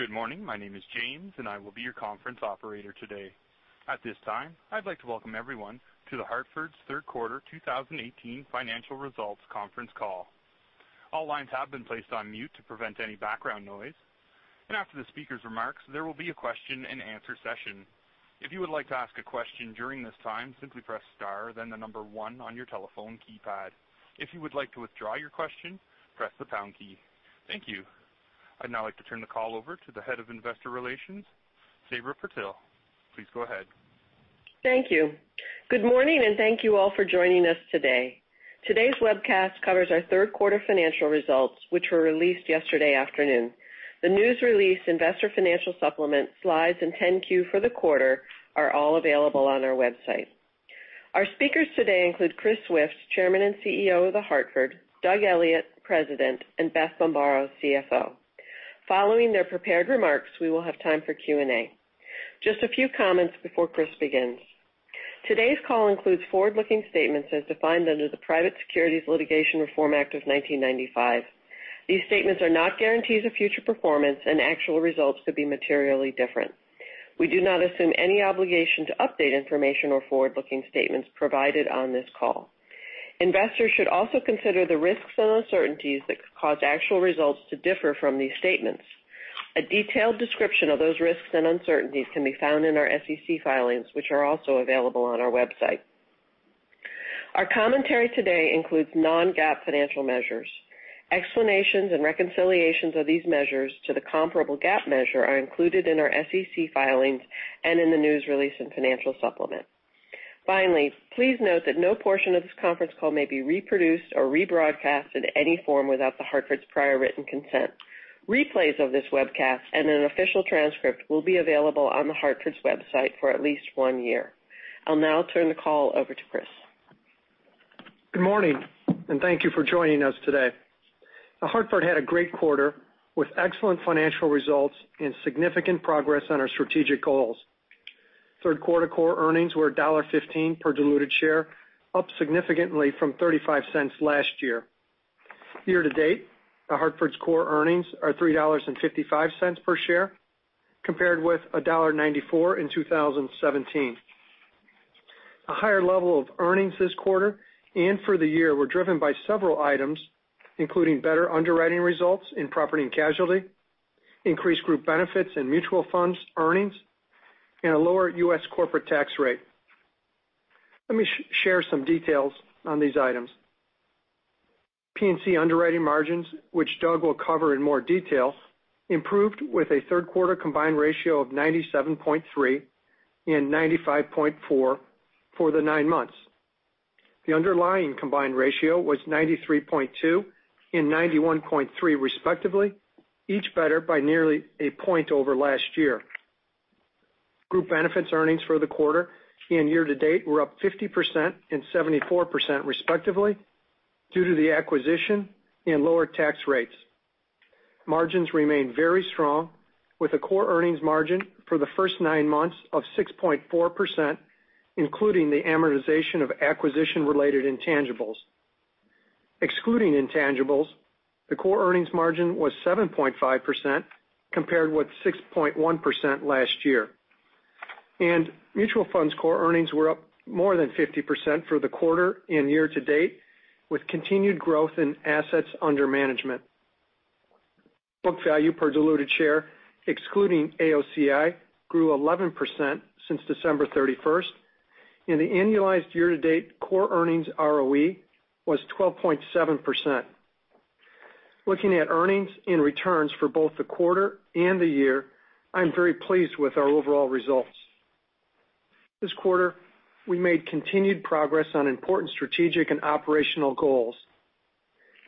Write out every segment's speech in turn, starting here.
Good morning. My name is James, and I will be your conference operator today. At this time, I'd like to welcome everyone to The Hartford's Third Quarter 2018 Financial Results Conference Call. All lines have been placed on mute to prevent any background noise. After the speaker's remarks, there will be a question and answer session. If you would like to ask a question during this time, simply press star, then the number one on your telephone keypad. If you would like to withdraw your question, press the pound key. Thank you. I'd now like to turn the call over to the Head of Investor Relations, Sabra Purtill. Please go ahead. Thank you. Good morning. Thank you all for joining us today. Today's webcast covers our third quarter financial results, which were released yesterday afternoon. The news release investor financial supplement slides and 10-Q for the quarter are all available on our website. Our speakers today include Chris Swift, Chairman and CEO of The Hartford, Doug Elliot, President, and Beth Bombara, CFO. Following their prepared remarks, we will have time for Q&A. Just a few comments before Chris begins. Today's call includes forward-looking statements as defined under the Private Securities Litigation Reform Act of 1995. These statements are not guarantees of future performance. Actual results could be materially different. We do not assume any obligation to update information or forward-looking statements provided on this call. Investors should also consider the risks and uncertainties that could cause actual results to differ from these statements. A detailed description of those risks and uncertainties can be found in our SEC filings, which are also available on our website. Our commentary today includes non-GAAP financial measures. Explanations and reconciliations of these measures to the comparable GAAP measure are included in our SEC filings and in the news release and financial supplement. Finally, please note that no portion of this conference call may be reproduced or rebroadcast in any form without The Hartford's prior written consent. Replays of this webcast and an official transcript will be available on The Hartford's website for at least one year. I'll now turn the call over to Chris. Good morning. Thank you for joining us today. The Hartford had a great quarter with excellent financial results. Significant progress on our strategic goals. Third quarter core earnings were $1.15 per diluted share, up significantly from $0.35 last year. Year to date, The Hartford's core earnings are $3.55 per share, compared with $1.94 in 2017. A higher level of earnings this quarter and for the year were driven by several items, including better underwriting results in property and casualty, increased group benefits and mutual funds earnings, and a lower U.S. corporate tax rate. Let me share some details on these items. P&C underwriting margins, which Doug will cover in more detail, improved with a third quarter combined ratio of 97.3 and 95.4 for the nine months. The underlying combined ratio was 93.2 and 91.3 respectively, each better by nearly a point over last year. Group benefits earnings for the quarter and year to date were up 50% and 74% respectively due to the acquisition and lower tax rates. Margins remained very strong with a core earnings margin for the first nine months of 6.4%, including the amortization of acquisition-related intangibles. Excluding intangibles, the core earnings margin was 7.5%, compared with 6.1% last year. Mutual funds core earnings were up more than 50% for the quarter and year to date, with continued growth in assets under management. Book value per diluted share, excluding AOCI, grew 11% since December 31st, and the annualized year-to-date core earnings ROE was 12.7%. Looking at earnings and returns for both the quarter and the year, I'm very pleased with our overall results. This quarter, we made continued progress on important strategic and operational goals.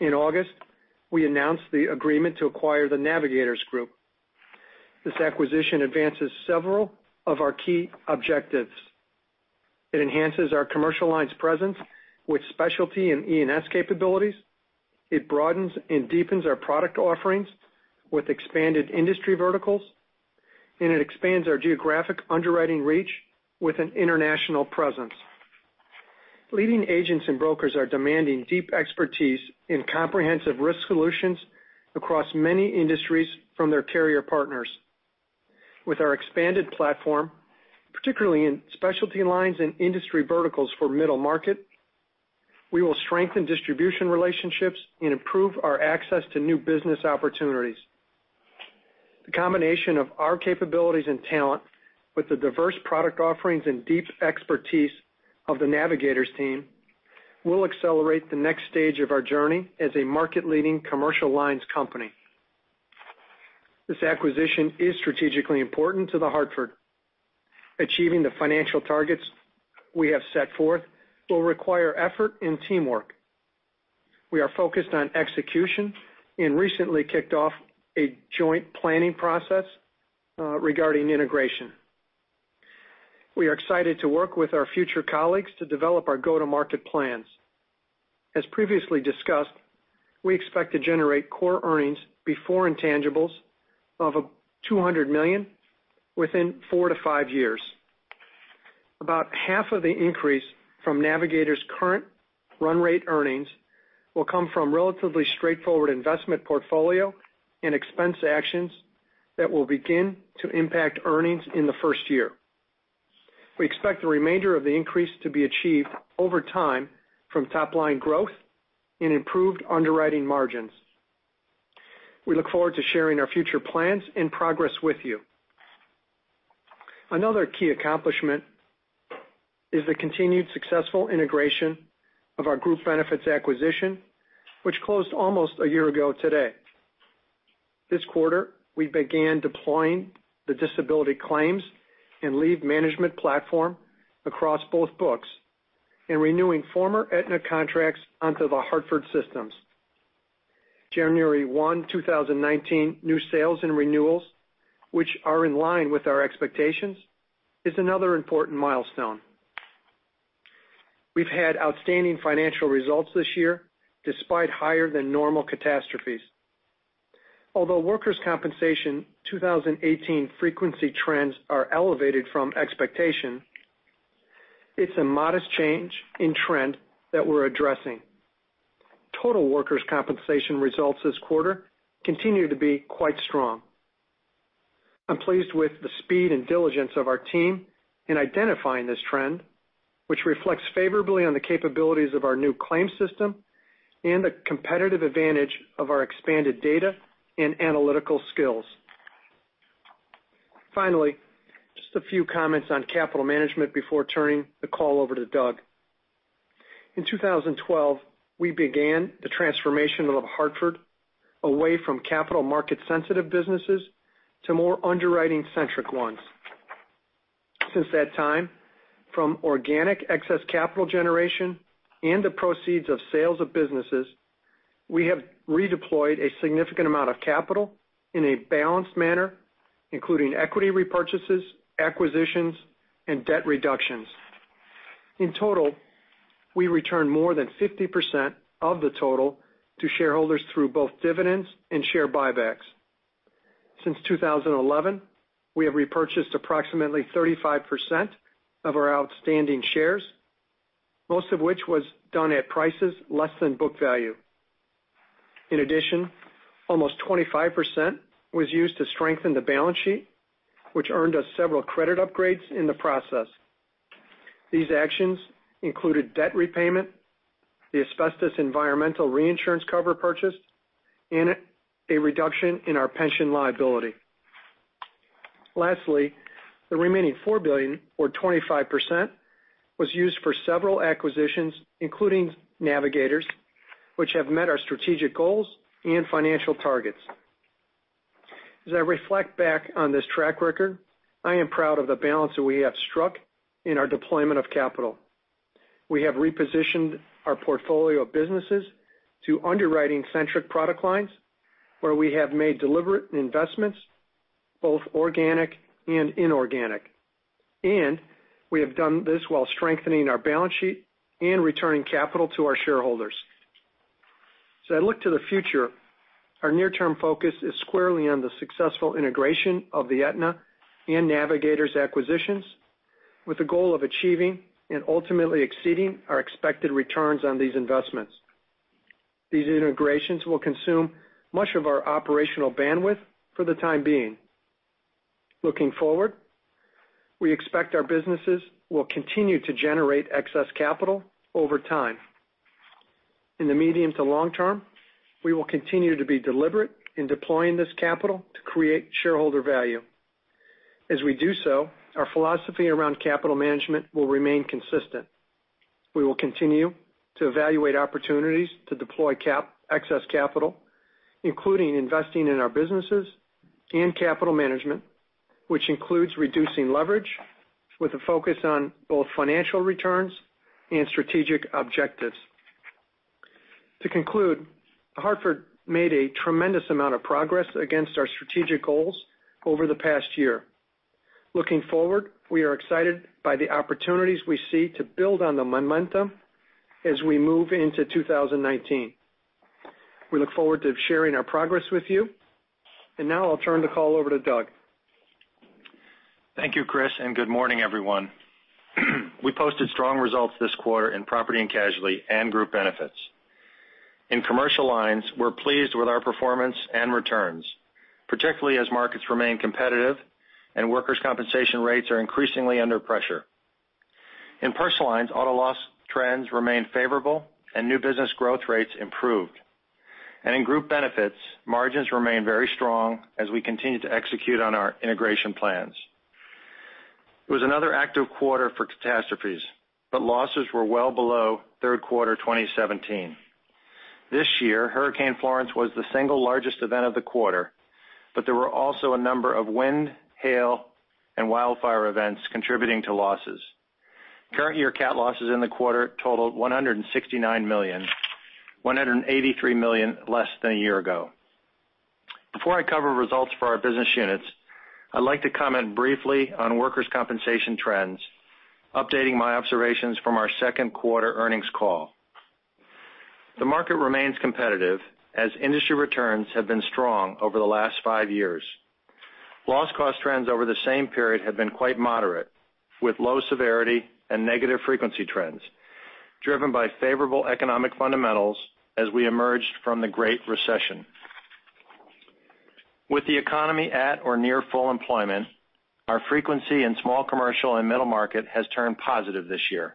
In August, we announced the agreement to acquire the Navigators Group. This acquisition advances several of our key objectives. It enhances our commercial lines presence with specialty and E&S capabilities. It broadens and deepens our product offerings with expanded industry verticals. It expands our geographic underwriting reach with an international presence. Leading agents and brokers are demanding deep expertise in comprehensive risk solutions across many industries from their carrier partners. With our expanded platform, particularly in specialty lines and industry verticals for middle market, we will strengthen distribution relationships and improve our access to new business opportunities. The combination of our capabilities and talent with the diverse product offerings and deep expertise of the Navigators team will accelerate the next stage of our journey as a market-leading commercial lines company. This acquisition is strategically important to The Hartford. We are focused on execution and recently kicked off a joint planning process regarding integration. We are excited to work with our future colleagues to develop our go-to-market plans. As previously discussed, we expect to generate core earnings before intangibles of $200 million within 4-5 years. About half of the increase from Navigators current run rate earnings will come from relatively straightforward investment portfolio and expense actions that will begin to impact earnings in the first year. We expect the remainder of the increase to be achieved over time from top-line growth and improved underwriting margins. We look forward to sharing our future plans and progress with you. Another key accomplishment is the continued successful integration of our group benefits acquisition, which closed almost a year ago today. This quarter, we began deploying the disability claims and leave management platform across both books and renewing former Aetna contracts onto The Hartford systems. January 1, 2019, new sales and renewals, which are in line with our expectations, is another important milestone. We've had outstanding financial results this year, despite higher than normal catastrophes. Although workers' compensation 2018 frequency trends are elevated from expectation, it's a modest change in trend that we're addressing. Total workers' compensation results this quarter continue to be quite strong. I'm pleased with the speed and diligence of our team in identifying this trend, which reflects favorably on the capabilities of our new claim system and the competitive advantage of our expanded data and analytical skills. Finally, just a few comments on capital management before turning the call over to Doug. In 2012, we began the transformation of The Hartford away from capital market sensitive businesses to more underwriting centric ones. Since that time, from organic excess capital generation and the proceeds of sales of businesses, we have redeployed a significant amount of capital in a balanced manner, including equity repurchases, acquisitions, and debt reductions. In total, we return more than 50% of the total to shareholders through both dividends and share buybacks. Since 2011, we have repurchased approximately 35% of our outstanding shares, most of which was done at prices less than book value. In addition, almost 25% was used to strengthen the balance sheet, which earned us several credit upgrades in the process. These actions included debt repayment, the asbestos environmental reinsurance cover purchase, and a reduction in our pension liability. Lastly, the remaining $4 billion or 25% was used for several acquisitions, including Navigators, which have met our strategic goals and financial targets. As I reflect back on this track record, I am proud of the balance that we have struck in our deployment of capital. We have repositioned our portfolio of businesses to underwriting centric product lines, where we have made deliberate investments, both organic and inorganic. We have done this while strengthening our balance sheet and returning capital to our shareholders. As I look to the future, our near-term focus is squarely on the successful integration of the Aetna and Navigators acquisitions with the goal of achieving and ultimately exceeding our expected returns on these investments. These integrations will consume much of our operational bandwidth for the time being. Looking forward, we expect our businesses will continue to generate excess capital over time. In the medium to long term, we will continue to be deliberate in deploying this capital to create shareholder value. As we do so, our philosophy around capital management will remain consistent. We will continue to evaluate opportunities to deploy excess capital, including investing in our businesses and capital management, which includes reducing leverage with a focus on both financial returns and strategic objectives. To conclude, The Hartford made a tremendous amount of progress against our strategic goals over the past year. Looking forward, we are excited by the opportunities we see to build on the momentum as we move into 2019. We look forward to sharing our progress with you. Now I'll turn the call over to Doug. Thank you, Chris. Good morning, everyone. We posted strong results this quarter in property and casualty and group benefits. In commercial lines, we're pleased with our performance and returns, particularly as markets remain competitive and workers' compensation rates are increasingly under pressure. In personal lines, auto loss trends remain favorable and new business growth rates improved. In group benefits, margins remain very strong as we continue to execute on our integration plans. It was another active quarter for catastrophes, losses were well below third quarter 2017. This year, Hurricane Florence was the single largest event of the quarter, there were also a number of wind, hail, and wildfire events contributing to losses. Current year cat losses in the quarter totaled $169 million, $183 million less than a year ago. Before I cover results for our business units, I'd like to comment briefly on workers' compensation trends, updating my observations from our second quarter earnings call. The market remains competitive as industry returns have been strong over the last five years. Loss cost trends over the same period have been quite moderate, with low severity and negative frequency trends driven by favorable economic fundamentals as we emerged from the Great Recession. With the economy at or near full employment, our frequency in small commercial and middle market has turned positive this year.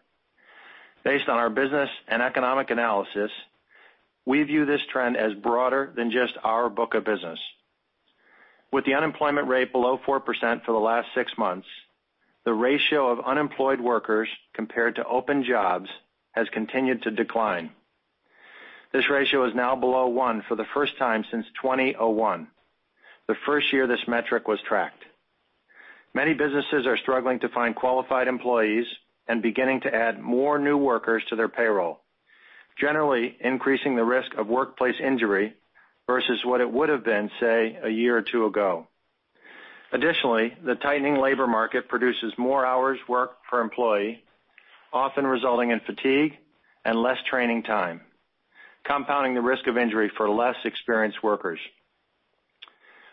Based on our business and economic analysis, we view this trend as broader than just our book of business. With the unemployment rate below 4% for the last six months, the ratio of unemployed workers compared to open jobs has continued to decline. This ratio is now below one for the first time since 2001, the first year this metric was tracked. Many businesses are struggling to find qualified employees and beginning to add more new workers to their payroll, generally increasing the risk of workplace injury versus what it would've been, say, a year or two ago. Additionally, the tightening labor market produces more hours worked per employee, often resulting in fatigue and less training time, compounding the risk of injury for less experienced workers.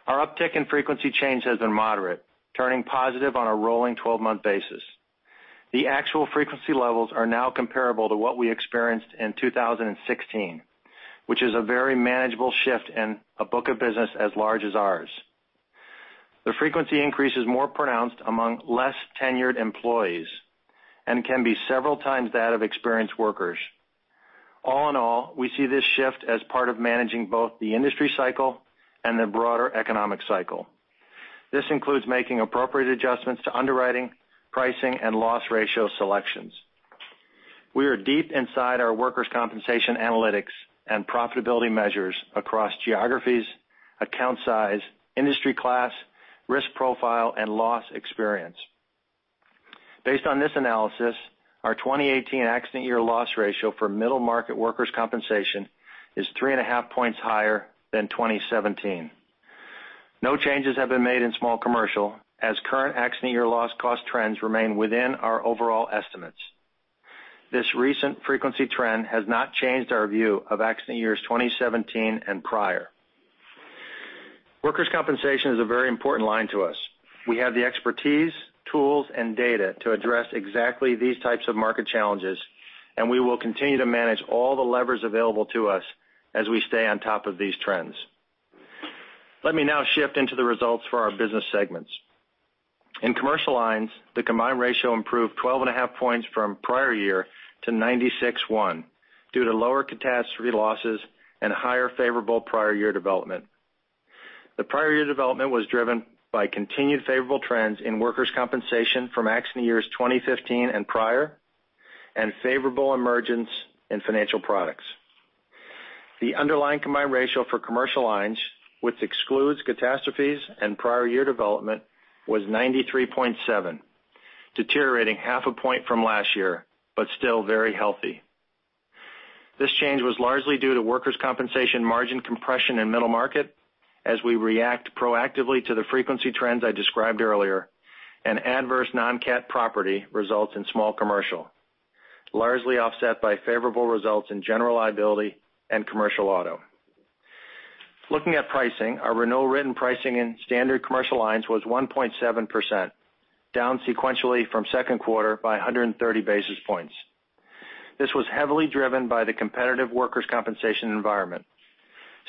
Our uptick in frequency change has been moderate, turning positive on a rolling 12-month basis. The actual frequency levels are now comparable to what we experienced in 2016, which is a very manageable shift in a book of business as large as ours. The frequency increase is more pronounced among less-tenured employees and can be several times that of experienced workers. All in all, we see this shift as part of managing both the industry cycle and the broader economic cycle. This includes making appropriate adjustments to underwriting, pricing, and loss ratio selections. We are deep inside our workers' compensation analytics and profitability measures across geographies, account size, industry class, risk profile, and loss experience. Based on this analysis, our 2018 accident year loss ratio for middle market workers' compensation is three and a half points higher than 2017. No changes have been made in small commercial, as current accident year loss cost trends remain within our overall estimates. This recent frequency trend has not changed our view of accident years 2017 and prior. Workers' compensation is a very important line to us. We have the expertise, tools, and data to address exactly these types of market challenges, and we will continue to manage all the levers available to us as we stay on top of these trends. Let me now shift into the results for our business segments. In commercial lines, the combined ratio improved 12 and a half points from prior year to 96.1 due to lower catastrophe losses and higher favorable prior year development. The prior year development was driven by continued favorable trends in workers' compensation from accident years 2015 and prior, and favorable emergence in financial products. The underlying combined ratio for commercial lines, which excludes catastrophes and prior year development, was 93.7, deteriorating half a point from last year, but still very healthy. This change was largely due to workers' compensation margin compression in Middle Market as we react proactively to the frequency trends I described earlier and adverse non-cat property results in Small Commercial, largely offset by favorable results in general liability and commercial auto. Looking at pricing, our renewal written pricing in standard commercial lines was 1.7%, down sequentially from second quarter by 130 basis points. This was heavily driven by the competitive workers' compensation environment.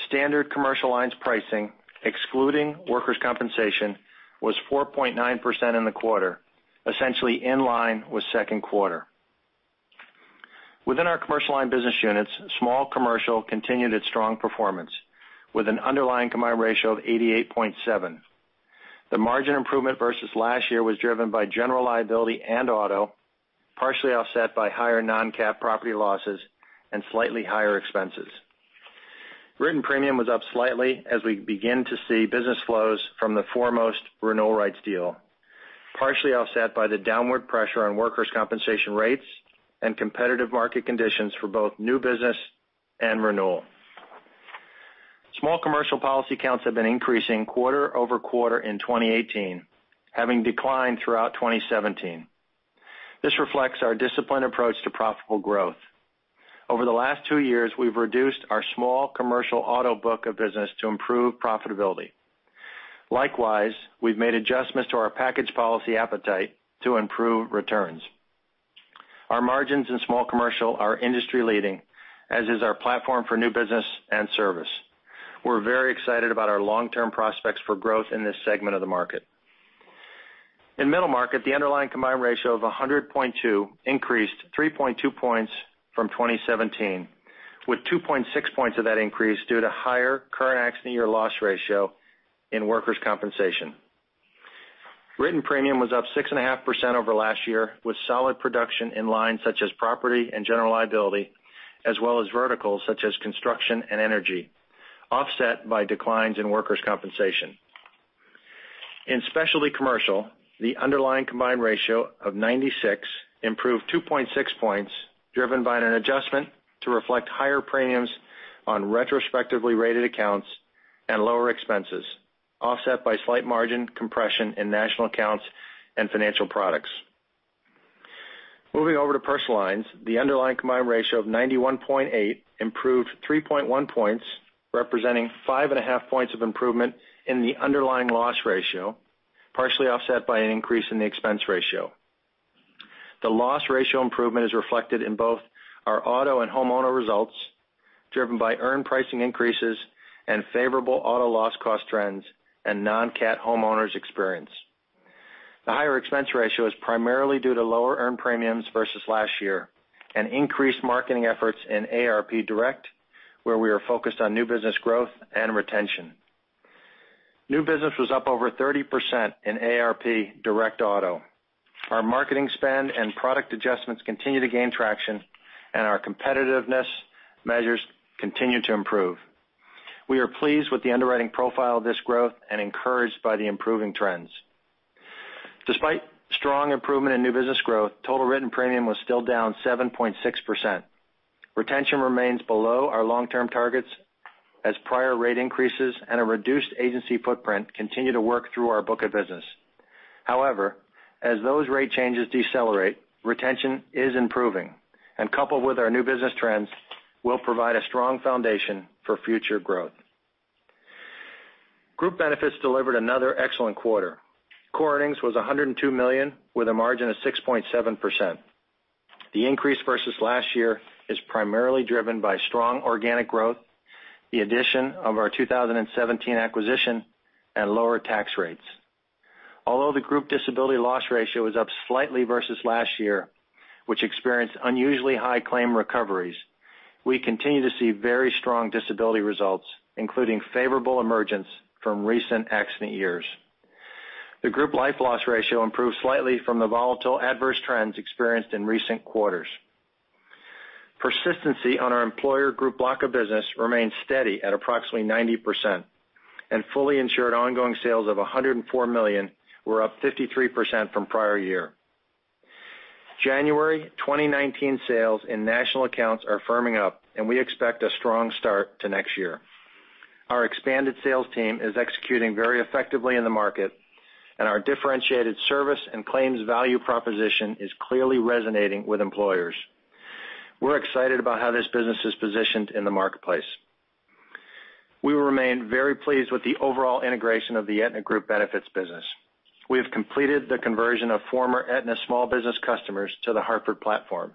Standard commercial lines pricing, excluding workers' compensation, was 4.9% in the quarter, essentially in line with second quarter. Within our commercial lines business units, Small Commercial continued its strong performance with an underlying combined ratio of 88.7. The margin improvement versus last year was driven by general liability and auto, partially offset by higher non-cat property losses and slightly higher expenses. Written premium was up slightly as we begin to see business flows from the Foremost renewal rights deal, partially offset by the downward pressure on workers' compensation rates and competitive market conditions for both new business and renewal. Small Commercial policy counts have been increasing quarter-over-quarter in 2018, having declined throughout 2017. This reflects our disciplined approach to profitable growth. Over the last two years, we've reduced our Small Commercial auto book of business to improve profitability. Likewise, we've made adjustments to our package policy appetite to improve returns. Our margins in Small Commercial are industry leading, as is our platform for new business and service. We're very excited about our long-term prospects for growth in this segment of the market. In Middle Market, the underlying combined ratio of 100.2 increased 3.2 points from 2017, with 2.6 points of that increase due to higher current accident year loss ratio in workers' compensation. Written premium was up 6.5% over last year, with solid production in lines such as property and general liability, as well as verticals such as construction and energy, offset by declines in workers' compensation. In Specialty Commercial, the underlying combined ratio of 96 improved 2.6 points, driven by an adjustment to reflect higher premiums on retrospectively rated accounts and lower expenses, offset by slight margin compression in national accounts and financial products. Moving over to Personal Lines, the underlying combined ratio of 91.8 improved 3.1 points, representing five and a half points of improvement in the underlying loss ratio, partially offset by an increase in the expense ratio. The loss ratio improvement is reflected in both our auto and homeowner results, driven by earned pricing increases and favorable auto loss cost trends and non-cat homeowners experience. The higher expense ratio is primarily due to lower earned premiums versus last year and increased marketing efforts in AARP Direct, where we are focused on new business growth and retention. New business was up over 30% in AARP Direct Auto. Our marketing spend and product adjustments continue to gain traction and our competitiveness measures continue to improve. We are pleased with the underwriting profile of this growth and encouraged by the improving trends. Despite strong improvement in new business growth, total written premium was still down 7.6%. Retention remains below our long-term targets as prior rate increases and a reduced agency footprint continue to work through our book of business. However, as those rate changes decelerate, retention is improving, and coupled with our new business trends, will provide a strong foundation for future growth. Group benefits delivered another excellent quarter. Core earnings was $102 million with a margin of 6.7%. The increase versus last year is primarily driven by strong organic growth, the addition of our 2017 acquisition and lower tax rates. Although the group disability loss ratio is up slightly versus last year, which experienced unusually high claim recoveries, we continue to see very strong disability results, including favorable emergence from recent accident years. The group life loss ratio improved slightly from the volatile adverse trends experienced in recent quarters. Persistency on our employer group block of business remains steady at approximately 90%, and fully insured ongoing sales of $104 million were up 53% from prior year. January 2019 sales in national accounts are firming up, and we expect a strong start to next year. Our expanded sales team is executing very effectively in the market, and our differentiated service and claims value proposition is clearly resonating with employers. We're excited about how this business is positioned in the marketplace. We remain very pleased with the overall integration of the Aetna group benefits business. We have completed the conversion of former Aetna small business customers to The Hartford platform.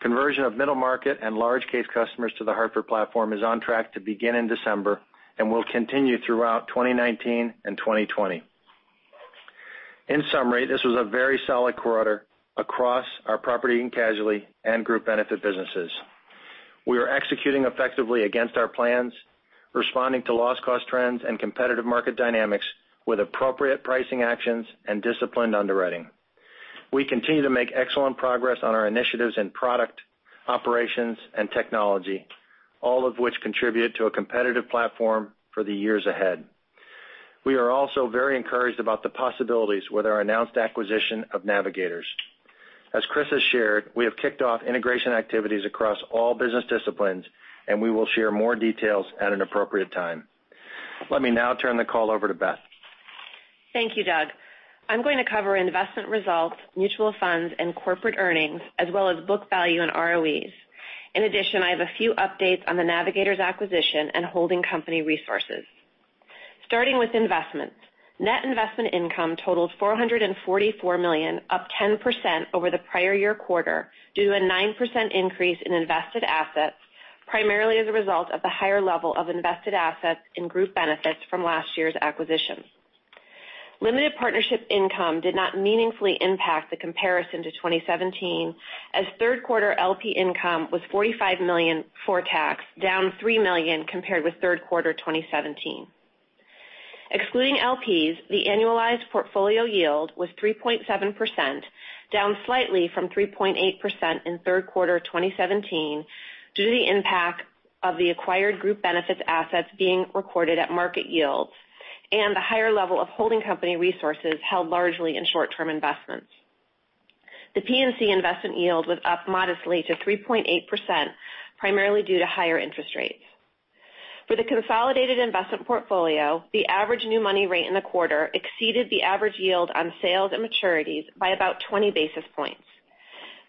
Conversion of middle market and large case customers to The Hartford platform is on track to begin in December and will continue throughout 2019 and 2020. In summary, this was a very solid quarter across our property and casualty and group benefit businesses. We are executing effectively against our plans, responding to loss cost trends and competitive market dynamics with appropriate pricing actions and disciplined underwriting. We continue to make excellent progress on our initiatives in product, operations, and technology, all of which contribute to a competitive platform for the years ahead. We are also very encouraged about the possibilities with our announced acquisition of Navigators. As Chris has shared, we have kicked off integration activities across all business disciplines, and we will share more details at an appropriate time. Let me now turn the call over to Beth. Thank you, Doug. I'm going to cover investment results, mutual funds, and corporate earnings, as well as book value and ROEs. In addition, I have a few updates on the Navigators acquisition and holding company resources. Starting with investments. Net investment income totaled $444 million, up 10% over the prior year quarter due to a 9% increase in invested assets, primarily as a result of the higher level of invested assets in group benefits from last year's acquisition. Limited partnership income did not meaningfully impact the comparison to 2017, as third quarter LP income was $45 million before tax, down $3 million compared with third quarter 2017. Excluding LPs, the annualized portfolio yield was 3.7%, down slightly from 3.8% in third quarter 2017 due to the impact of the acquired group benefits assets being recorded at market yields and the higher level of holding company resources held largely in short-term investments. The P&C investment yield was up modestly to 3.8%, primarily due to higher interest rates. For the consolidated investment portfolio, the average new money rate in the quarter exceeded the average yield on sales and maturities by about 20 basis points.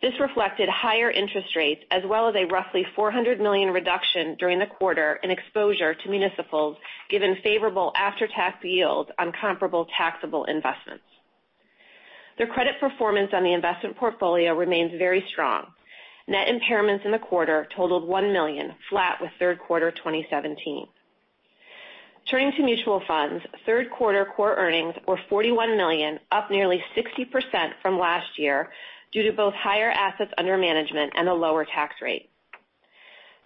This reflected higher interest rates as well as a roughly $400 million reduction during the quarter in exposure to municipals, given favorable after-tax yields on comparable taxable investments. The credit performance on the investment portfolio remains very strong. Net impairments in the quarter totaled $1 million, flat with third quarter 2017. Turning to mutual funds, third quarter core earnings were $41 million, up nearly 60% from last year due to both higher assets under management and a lower tax rate.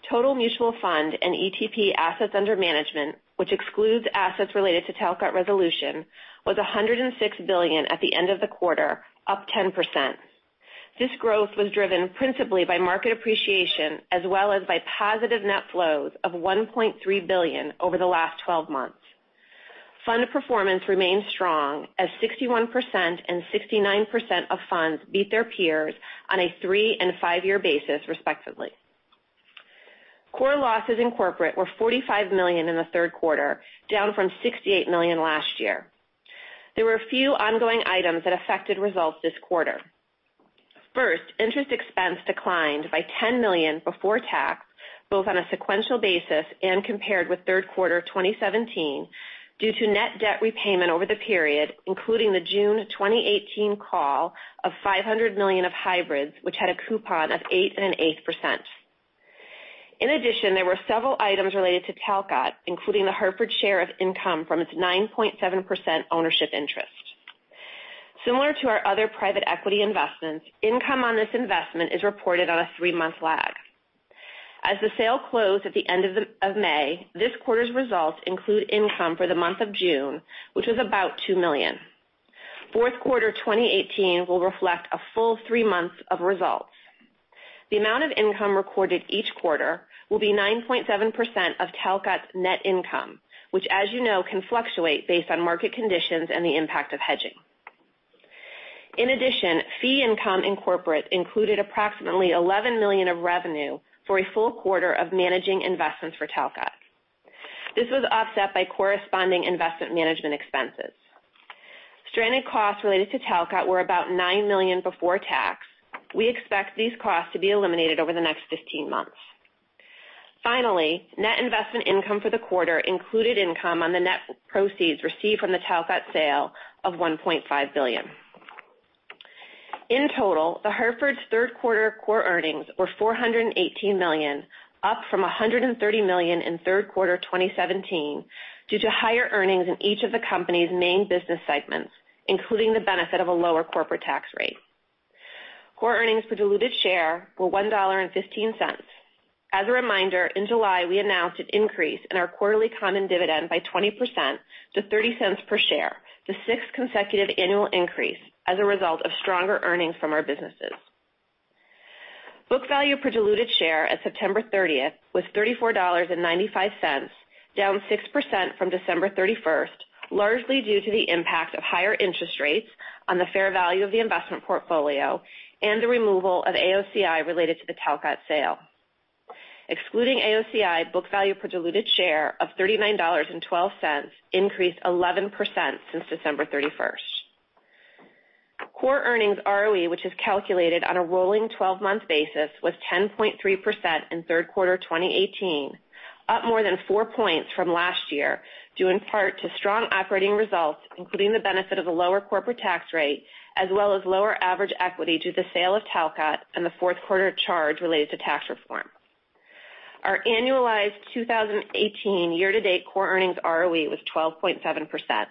Total mutual fund and ETP assets under management, which excludes assets related to Talcott Resolution, was $106 billion at the end of the quarter, up 10%. This growth was driven principally by market appreciation as well as by positive net flows of $1.3 billion over the last 12 months. Fund performance remains strong as 61% and 69% of funds beat their peers on a three and five-year basis respectively. Core losses in corporate were $45 million in the third quarter, down from $68 million last year. There were a few ongoing items that affected results this quarter. Interest expense declined by $10 million before tax, both on a sequential basis and compared with third quarter of 2017, due to net debt repayment over the period, including the June 2018 call of $500 million of hybrids, which had a coupon of 8.8%. In addition, there were several items related to Talcott, including The Hartford share of income from its 9.7% ownership interest. Similar to our other private equity investments, income on this investment is reported on a three-month lag. As the sale closed at the end of May, this quarter's results include income for the month of June, which was about $2 million. Fourth quarter 2018 will reflect a full three months of results. The amount of income recorded each quarter will be 9.7% of Talcott's net income, which, as you know, can fluctuate based on market conditions and the impact of hedging. Fee income in corporate included approximately $11 million of revenue for a full quarter of managing investments for Talcott. This was offset by corresponding investment management expenses. Stranded costs related to Talcott were about $9 million before tax. We expect these costs to be eliminated over the next 15 months. Net investment income for the quarter included income on the net proceeds received from the Talcott sale of $1.5 billion. In total, The Hartford's third quarter core earnings were $418 million, up from $130 million in third quarter 2017 due to higher earnings in each of the company's main business segments, including the benefit of a lower corporate tax rate. Core earnings per diluted share were $1.15. As a reminder, in July, we announced an increase in our quarterly common dividend by 20% to $0.30 per share, the sixth consecutive annual increase as a result of stronger earnings from our businesses. Book value per diluted share at September 30th was $34.95, down 6% from December 31st, largely due to the impact of higher interest rates on the fair value of the investment portfolio and the removal of AOCI related to the Talcott sale. Excluding AOCI, book value per diluted share of $39.12 increased 11% since December 31st. Core earnings ROE, which is calculated on a rolling 12-month basis, was 10.3% in third quarter 2018, up more than four points from last year, due in part to strong operating results, including the benefit of a lower corporate tax rate, as well as lower average equity due to the sale of Talcott and the fourth quarter charge related to tax reform. Our annualized 2018 year-to-date core earnings ROE was 12.7%.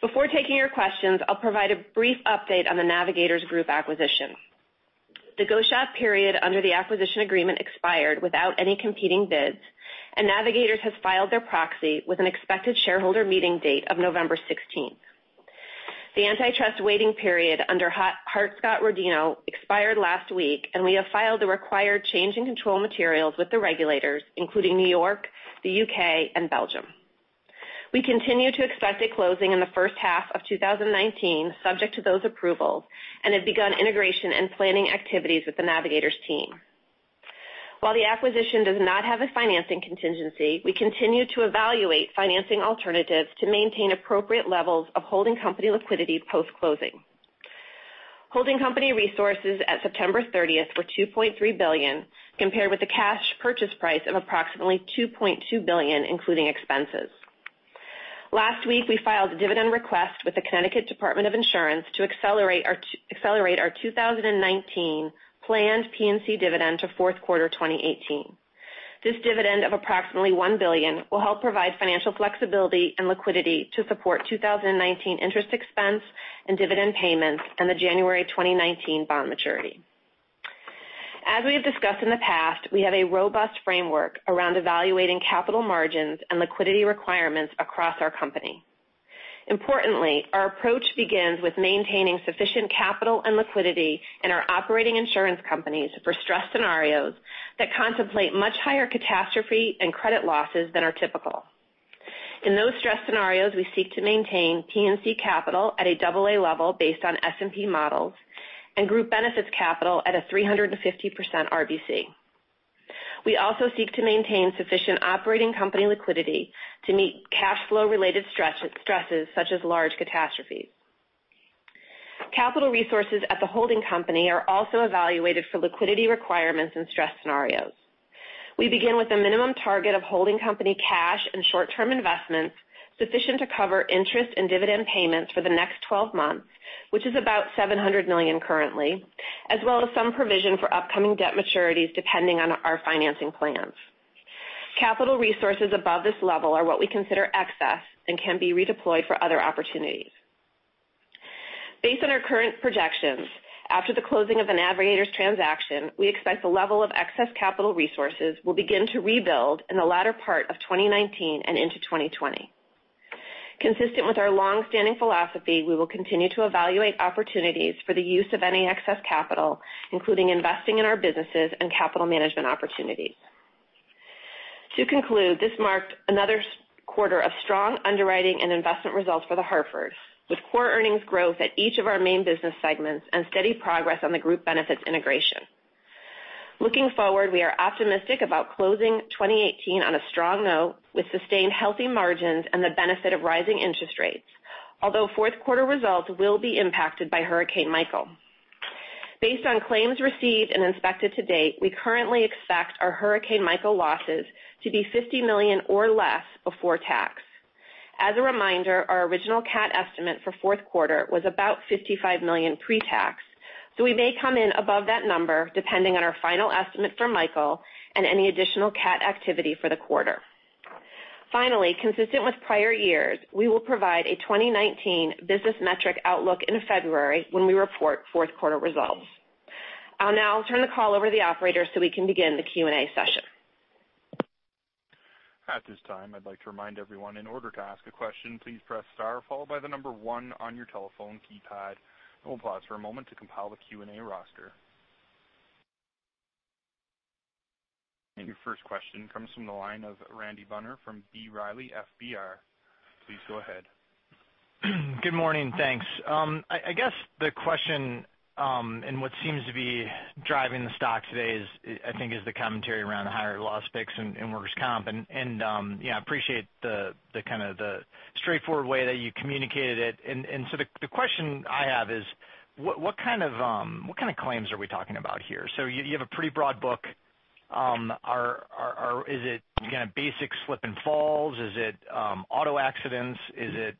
Before taking your questions, I'll provide a brief update on The Navigators Group acquisition. The go-shop period under the acquisition agreement expired without any competing bids, and Navigators has filed their proxy with an expected shareholder meeting date of November 16th. The antitrust waiting period under Hart-Scott-Rodino expired last week, and we have filed the required change in control materials with the regulators, including New York, the U.K., and Belgium. We continue to expect a closing in the first half of 2019, subject to those approvals, and have begun integration and planning activities with the Navigators team. While the acquisition does not have a financing contingency, we continue to evaluate financing alternatives to maintain appropriate levels of holding company liquidity post-closing. Holding company resources at September 30th were $2.3 billion, compared with the cash purchase price of approximately $2.2 billion, including expenses. Last week, we filed a dividend request with the Connecticut Insurance Department to accelerate our 2019 planned P&C dividend to fourth quarter 2018. This dividend of approximately $1 billion will help provide financial flexibility and liquidity to support 2019 interest expense and dividend payments and the January 2019 bond maturity. As we have discussed in the past, we have a robust framework around evaluating capital margins and liquidity requirements across our company. Importantly, our approach begins with maintaining sufficient capital and liquidity in our operating insurance companies for stress scenarios that contemplate much higher catastrophe and credit losses than are typical. In those stress scenarios, we seek to maintain P&C capital at a AA level based on S&P models and group benefits capital at a 350% RBC. We also seek to maintain sufficient operating company liquidity to meet cash flow-related stresses such as large catastrophes. Capital resources at the holding company are also evaluated for liquidity requirements and stress scenarios. We begin with a minimum target of holding company cash and short-term investments sufficient to cover interest and dividend payments for the next 12 months, which is about $700 million currently, as well as some provision for upcoming debt maturities depending on our financing plans. Capital resources above this level are what we consider excess and can be redeployed for other opportunities. Based on our current projections, after the closing of the Navigators transaction, we expect the level of excess capital resources will begin to rebuild in the latter part of 2019 and into 2020. Consistent with our long-standing philosophy, we will continue to evaluate opportunities for the use of any excess capital, including investing in our businesses and capital management opportunities. To conclude, this marked another quarter of strong underwriting and investment results for The Hartford, with core earnings growth at each of our main business segments and steady progress on the group benefits integration. Looking forward, we are optimistic about closing 2018 on a strong note with sustained healthy margins and the benefit of rising interest rates. Although fourth quarter results will be impacted by Hurricane Michael. Based on claims received and inspected to date, we currently expect our Hurricane Michael losses to be $50 million or less before tax. As a reminder, our original cat estimate for fourth quarter was about $55 million pre-tax. We may come in above that number depending on our final estimate for Michael and any additional cat activity for the quarter. Finally, consistent with prior years, we will provide a 2019 business metric outlook in February when we report fourth quarter results. I'll now turn the call over to the operator so we can begin the Q&A session. At this time, I'd like to remind everyone, in order to ask a question, please press star followed by the number 1 on your telephone keypad. We'll pause for a moment to compile the Q&A roster. Your first question comes from the line of Randy Binner from B. Riley FBR. Please go ahead. Good morning, thanks. I guess the question, and what seems to be driving the stock today, I think is the commentary around the higher loss picks in workers' comp. I appreciate the straightforward way that you communicated it. The question I have is what kind of claims are we talking about here? You have a pretty broad book. Is it basic slip and falls? Is it auto accidents? Is it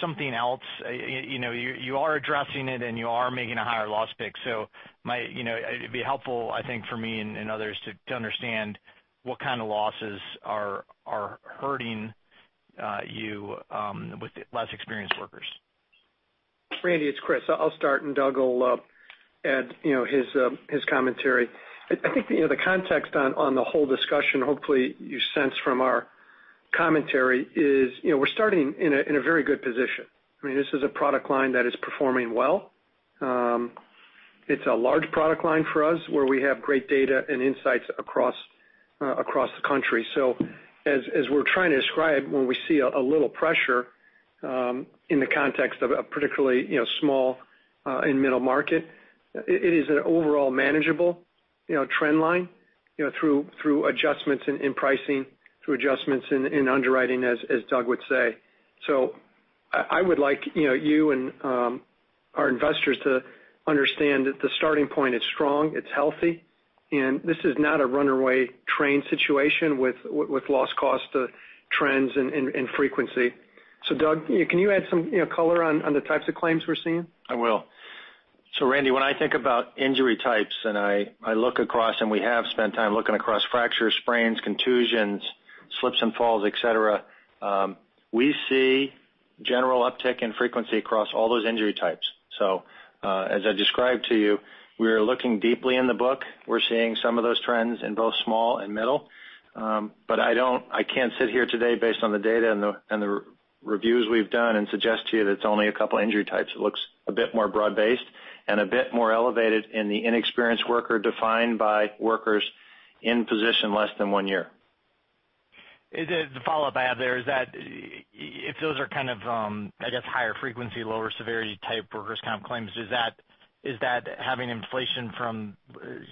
something else? You are addressing it, and you are making a higher loss pick, so it'd be helpful, I think, for me and others to understand what kind of losses are hurting you with less experienced workers. Randy, it's Chris. I'll start, and Doug will add his commentary. I think the context on the whole discussion, hopefully you sense from our commentary, is we're starting in a very good position. This is a product line that is performing well. It's a large product line for us where we have great data and insights across the country. As we're trying to describe when we see a little pressure in the context of a particularly small and middle market, it is an overall manageable trend line through adjustments in pricing, through adjustments in underwriting, as Doug would say. I would like you and our investors to understand that the starting point, it's strong, it's healthy, and this is not a runaway train situation with loss cost trends and frequency. Doug, can you add some color on the types of claims we're seeing? I will. Randy, when I think about injury types, and I look across, and we have spent time looking across fractures, sprains, contusions, slips and falls, et cetera, we see general uptick in frequency across all those injury types. As I described to you, we are looking deeply in the book. We're seeing some of those trends in both small and middle. I can't sit here today based on the data and the reviews we've done and suggest to you that it's only a couple injury types. It looks a bit more broad-based and a bit more elevated in the inexperienced worker defined by workers in position less than one year. The follow-up I have there is that if those are, I guess, higher frequency, lower severity type workers' comp claims, is that having inflation from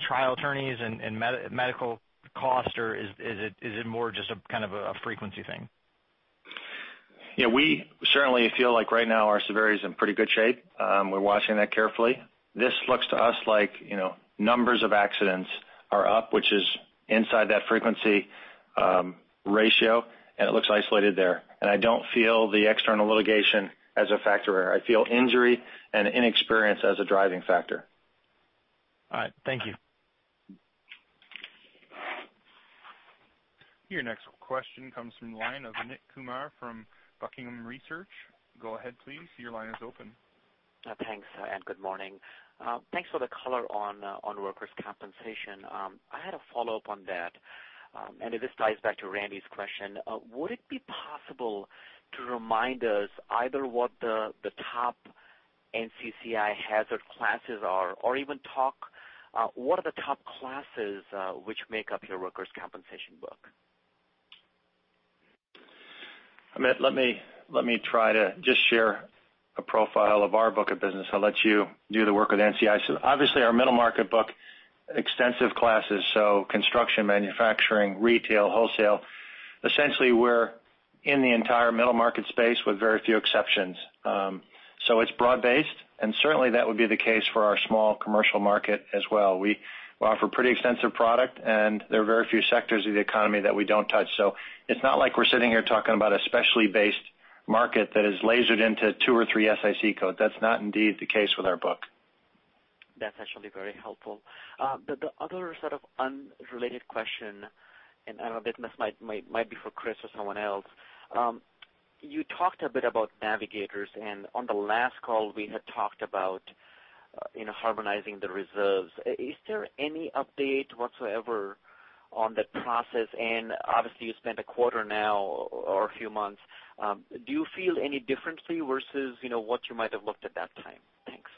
trial attorneys and medical cost, or is it more just a kind of a frequency thing? We certainly feel like right now our severity is in pretty good shape. We're watching that carefully. This looks to us like numbers of accidents are up, which is inside that frequency ratio, and it looks isolated there. I don't feel the external litigation as a factor there. I feel injury and inexperience as a driving factor. All right. Thank you. Your next question comes from the line of Amit Kumar from Buckingham Research. Go ahead, please. Your line is open. Thanks, and good morning. Thanks for the color on workers' compensation. I had a follow-up on that, and this ties back to Randy's question. Would it be possible to remind us either what the top NCCI hazard classes are, or even talk what are the top classes which make up your workers' compensation book? Amit, let me try to just share a profile of our book of business. I'll let you do the work with NCCI. Obviously, our middle market book, extensive classes, so construction, manufacturing, retail, wholesale. Essentially, we're in the entire middle market space with very few exceptions. It's broad-based, and certainly that would be the case for our small commercial market as well. We offer pretty extensive product, there are very few sectors of the economy that we don't touch. It's not like we're sitting here talking about a specialty-based market that is lasered into two or three SIC code. That's not indeed the case with our book. That's actually very helpful. The other sort of unrelated question, I don't know, this might be for Chris or someone else. You talked a bit about Navigators, and on the last call, we had talked about harmonizing the reserves. Is there any update whatsoever on that process? Obviously, you spent a quarter now or a few months. Do you feel any differently versus what you might have looked at that time? Thanks.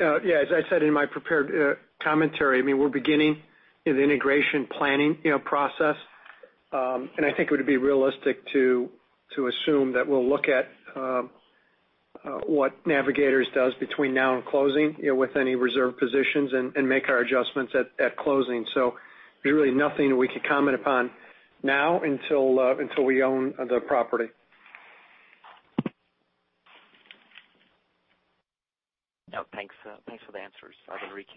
Yeah. As I said in my prepared commentary, we're beginning the integration planning process, and I think it would be realistic to assume that we'll look at what Navigators does between now and closing with any reserve positions and make our adjustments at closing. There's really nothing that we can comment upon now until we own the property. Thanks for the answers, Enrique.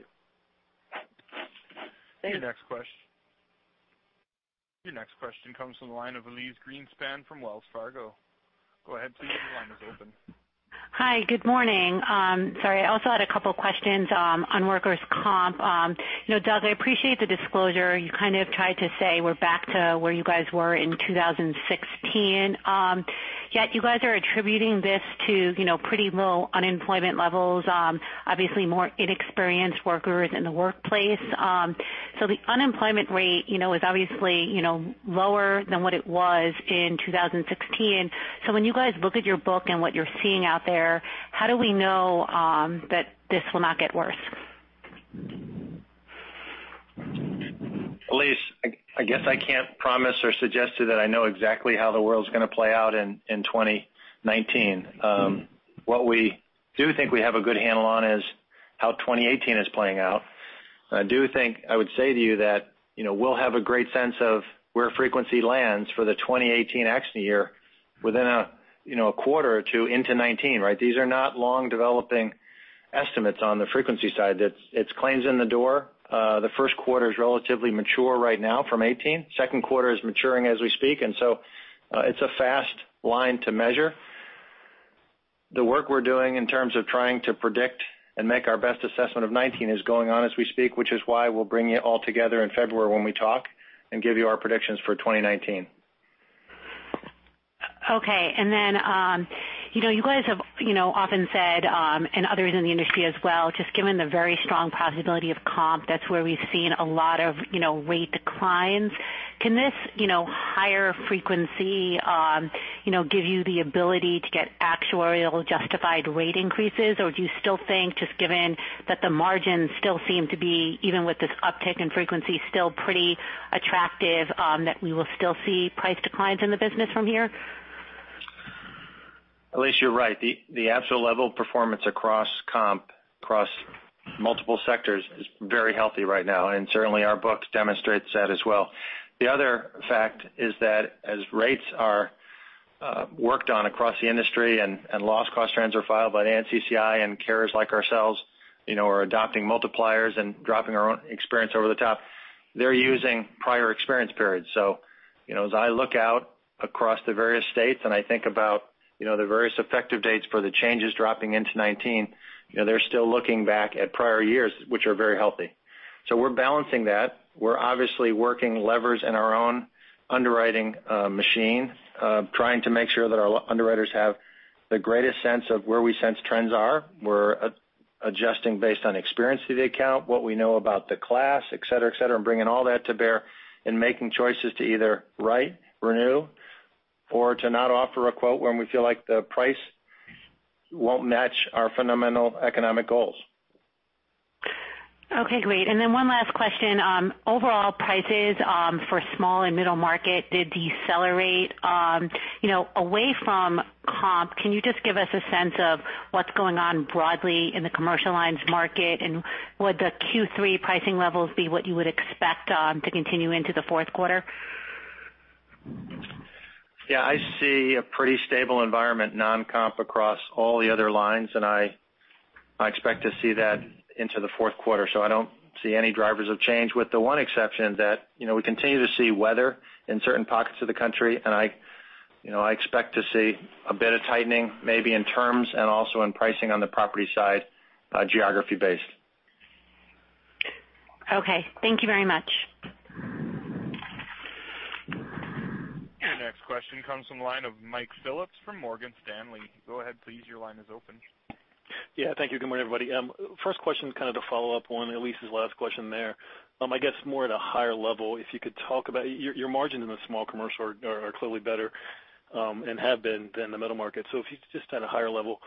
Thank you. Your next question comes from the line of Elyse Greenspan from Wells Fargo. Go ahead please, your line is open. Hi, good morning. Sorry. I also had a couple questions on workers' comp. Doug, I appreciate the disclosure. You kind of tried to say we're back to where you guys were in 2016. Yet you guys are attributing this to pretty low unemployment levels, obviously more inexperienced workers in the workplace. The unemployment rate is obviously lower than what it was in 2016. When you guys look at your book and what you're seeing out there, how do we know that this will not get worse? Elyse, I guess I can't promise or suggest to you that I know exactly how the world's going to play out in 2019. What we do think we have a good handle on is how 2018 is playing out. I do think I would say to you that we'll have a great sense of where frequency lands for the 2018 accident year within a quarter or two into 2019, right? These are not long-developing estimates on the frequency side. It's claims in the door. The first quarter is relatively mature right now from 2018. Second quarter is maturing as we speak, it's a fast line to measure. The work we're doing in terms of trying to predict and make our best assessment of 2019 is going on as we speak, which is why we'll bring you all together in February when we talk and give you our predictions for 2019. Okay, you guys have often said, and others in the industry as well, just given the very strong possibility of comp, that's where we've seen a lot of rate declines. Can this higher frequency give you the ability to get actuarial justified rate increases? Or do you still think just given that the margins still seem to be, even with this uptick in frequency, still pretty attractive, that we will still see price declines in the business from here? Elyse, you're right. The absolute level of performance across comp, across multiple sectors is very healthy right now, and certainly our books demonstrate that as well. The other fact is that as rates are worked on across the industry and loss cost trends are filed by NCCI and carriers like ourselves are adopting multipliers and dropping our own experience over the top, they're using prior experience periods. As I look out across the various states, and I think about the various effective dates for the changes dropping into 2019, they're still looking back at prior years, which are very healthy. We're balancing that. We're obviously working levers in our own underwriting machine, trying to make sure that our underwriters have the greatest sense of where we sense trends are. We're adjusting based on experience through the account, what we know about the class, et cetera, and bringing all that to bear and making choices to either write, renew, or to not offer a quote when we feel like the price won't match our fundamental economic goals. Okay, great. One last question. Overall prices for small and middle market did decelerate. Away from comp, can you just give us a sense of what's going on broadly in the commercial lines market, and would the Q3 pricing levels be what you would expect to continue into the fourth quarter? I see a pretty stable environment non-comp across all the other lines, and I expect to see that into the fourth quarter. I don't see any drivers of change with the one exception that we continue to see weather in certain pockets of the country, and I expect to see a bit of tightening maybe in terms and also in pricing on the property side, geography-based. Okay. Thank you very much. Your next question comes from the line of Mike Phillips from Morgan Stanley. Go ahead please, your line is open. Yeah, thank you. Good morning, everybody. First question is kind of to follow up on Elyse's last question there. I guess more at a higher level, if you could talk about your margins in the Small Commercial are clearly better, and have been, than the Middle Market. If you could just at a higher level,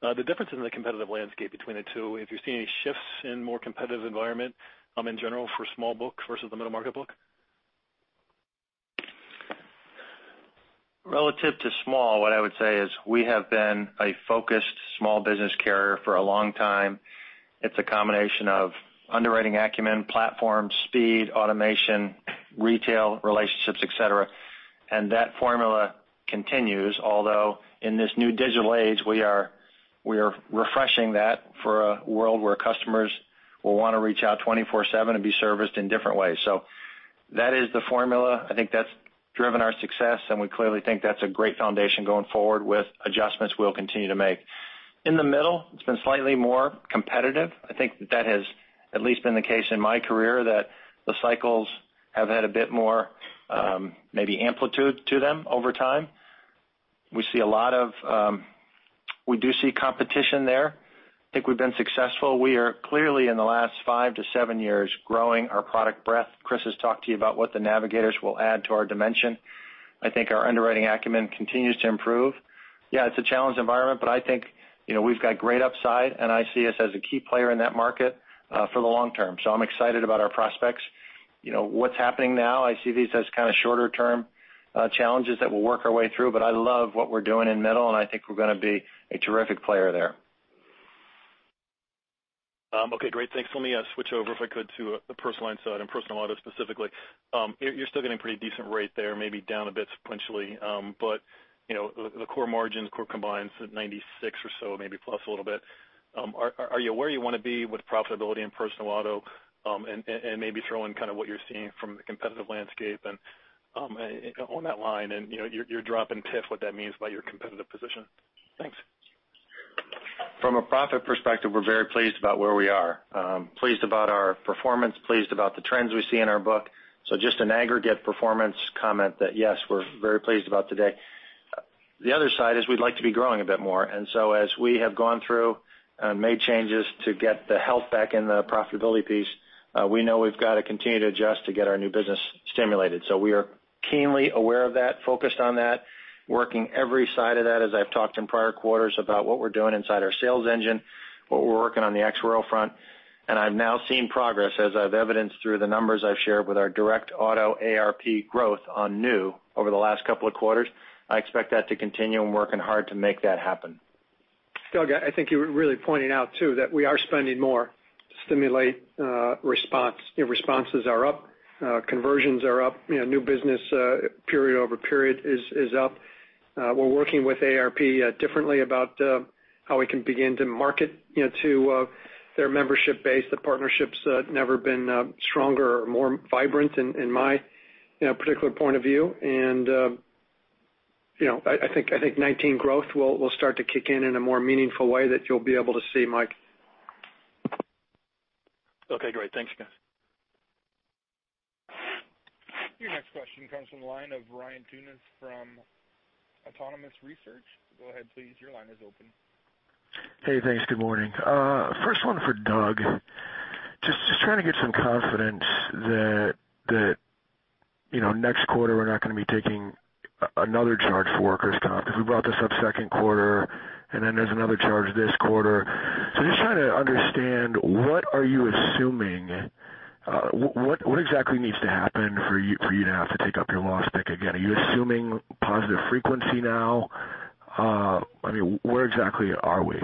the difference in the competitive landscape between the two, if you're seeing any shifts in more competitive environment in general for Small Book versus the Middle Market Book? Relative to small, what I would say is we have been a focused small business carrier for a long time. It's a combination of underwriting acumen, platform, speed, automation, retail relationships, et cetera. That formula continues, although in this new digital age, we are refreshing that for a world where customers will want to reach out 24/7 and be serviced in different ways. That is the formula. I think that's driven our success, and we clearly think that's a great foundation going forward with adjustments we'll continue to make. In the middle, it's been slightly more competitive. I think that has at least been the case in my career that the cycles have had a bit more maybe amplitude to them over time. We do see competition there. I think we've been successful. We are clearly in the last five to seven years growing our product breadth. Chris has talked to you about what the Navigators will add to our dimension. I think our underwriting acumen continues to improve. Yeah, it's a challenged environment, but I think we've got great upside, and I see us as a key player in that market for the long term. I'm excited about our prospects. What's happening now, I see these as kind of shorter term challenges that we'll work our way through, but I love what we're doing in middle, and I think we're going to be a terrific player there. Okay, great. Thanks. Let me switch over, if I could, to the personal line side and personal auto specifically. You're still getting pretty decent rate there, maybe down a bit sequentially. The core margins, core combines at 96 or so, maybe plus a little bit. Are you where you want to be with profitability in personal auto? Maybe throw in kind of what you're seeing from the competitive landscape and on that line, and you're dropping PIF, what that means by your competitive position. Thanks. From a profit perspective, we're very pleased about where we are. Pleased about our performance, pleased about the trends we see in our book. Just an aggregate performance comment that yes, we're very pleased about today. The other side is we'd like to be growing a bit more, as we have gone through and made changes to get the health back in the profitability piece, we know we've got to continue to adjust to get our new business stimulated. We are keenly aware of that, focused on that, working every side of that, as I've talked in prior quarters about what we're doing inside our sales engine, what we're working on the Xworld front, and I've now seen progress as I've evidenced through the numbers I've shared with our direct auto AARP growth on new over the last couple of quarters. I expect that to continue and working hard to make that happen. Doug, I think you were really pointing out, too, that we are spending more to stimulate response. Responses are up. Conversions are up. New business period-over-period is up. We're working with AARP differently about how we can begin to market to their membership base. The partnership's never been stronger or more vibrant in my particular point of view. I think 2019 growth will start to kick in in a more meaningful way that you'll be able to see, Mike. Okay, great. Thanks, guys. Your next question comes from the line of Ryan Tunis from Autonomous Research. Go ahead, please. Your line is open. Hey, thanks. Good morning. First one for Doug. Just trying to get some confidence that next quarter, we're not going to be taking another charge for workers' comp, because we brought this up second quarter, and then there's another charge this quarter. Just trying to understand, what are you assuming? What exactly needs to happen for you to have to take up your loss pick again? Are you assuming positive frequency now? I mean, where exactly are we?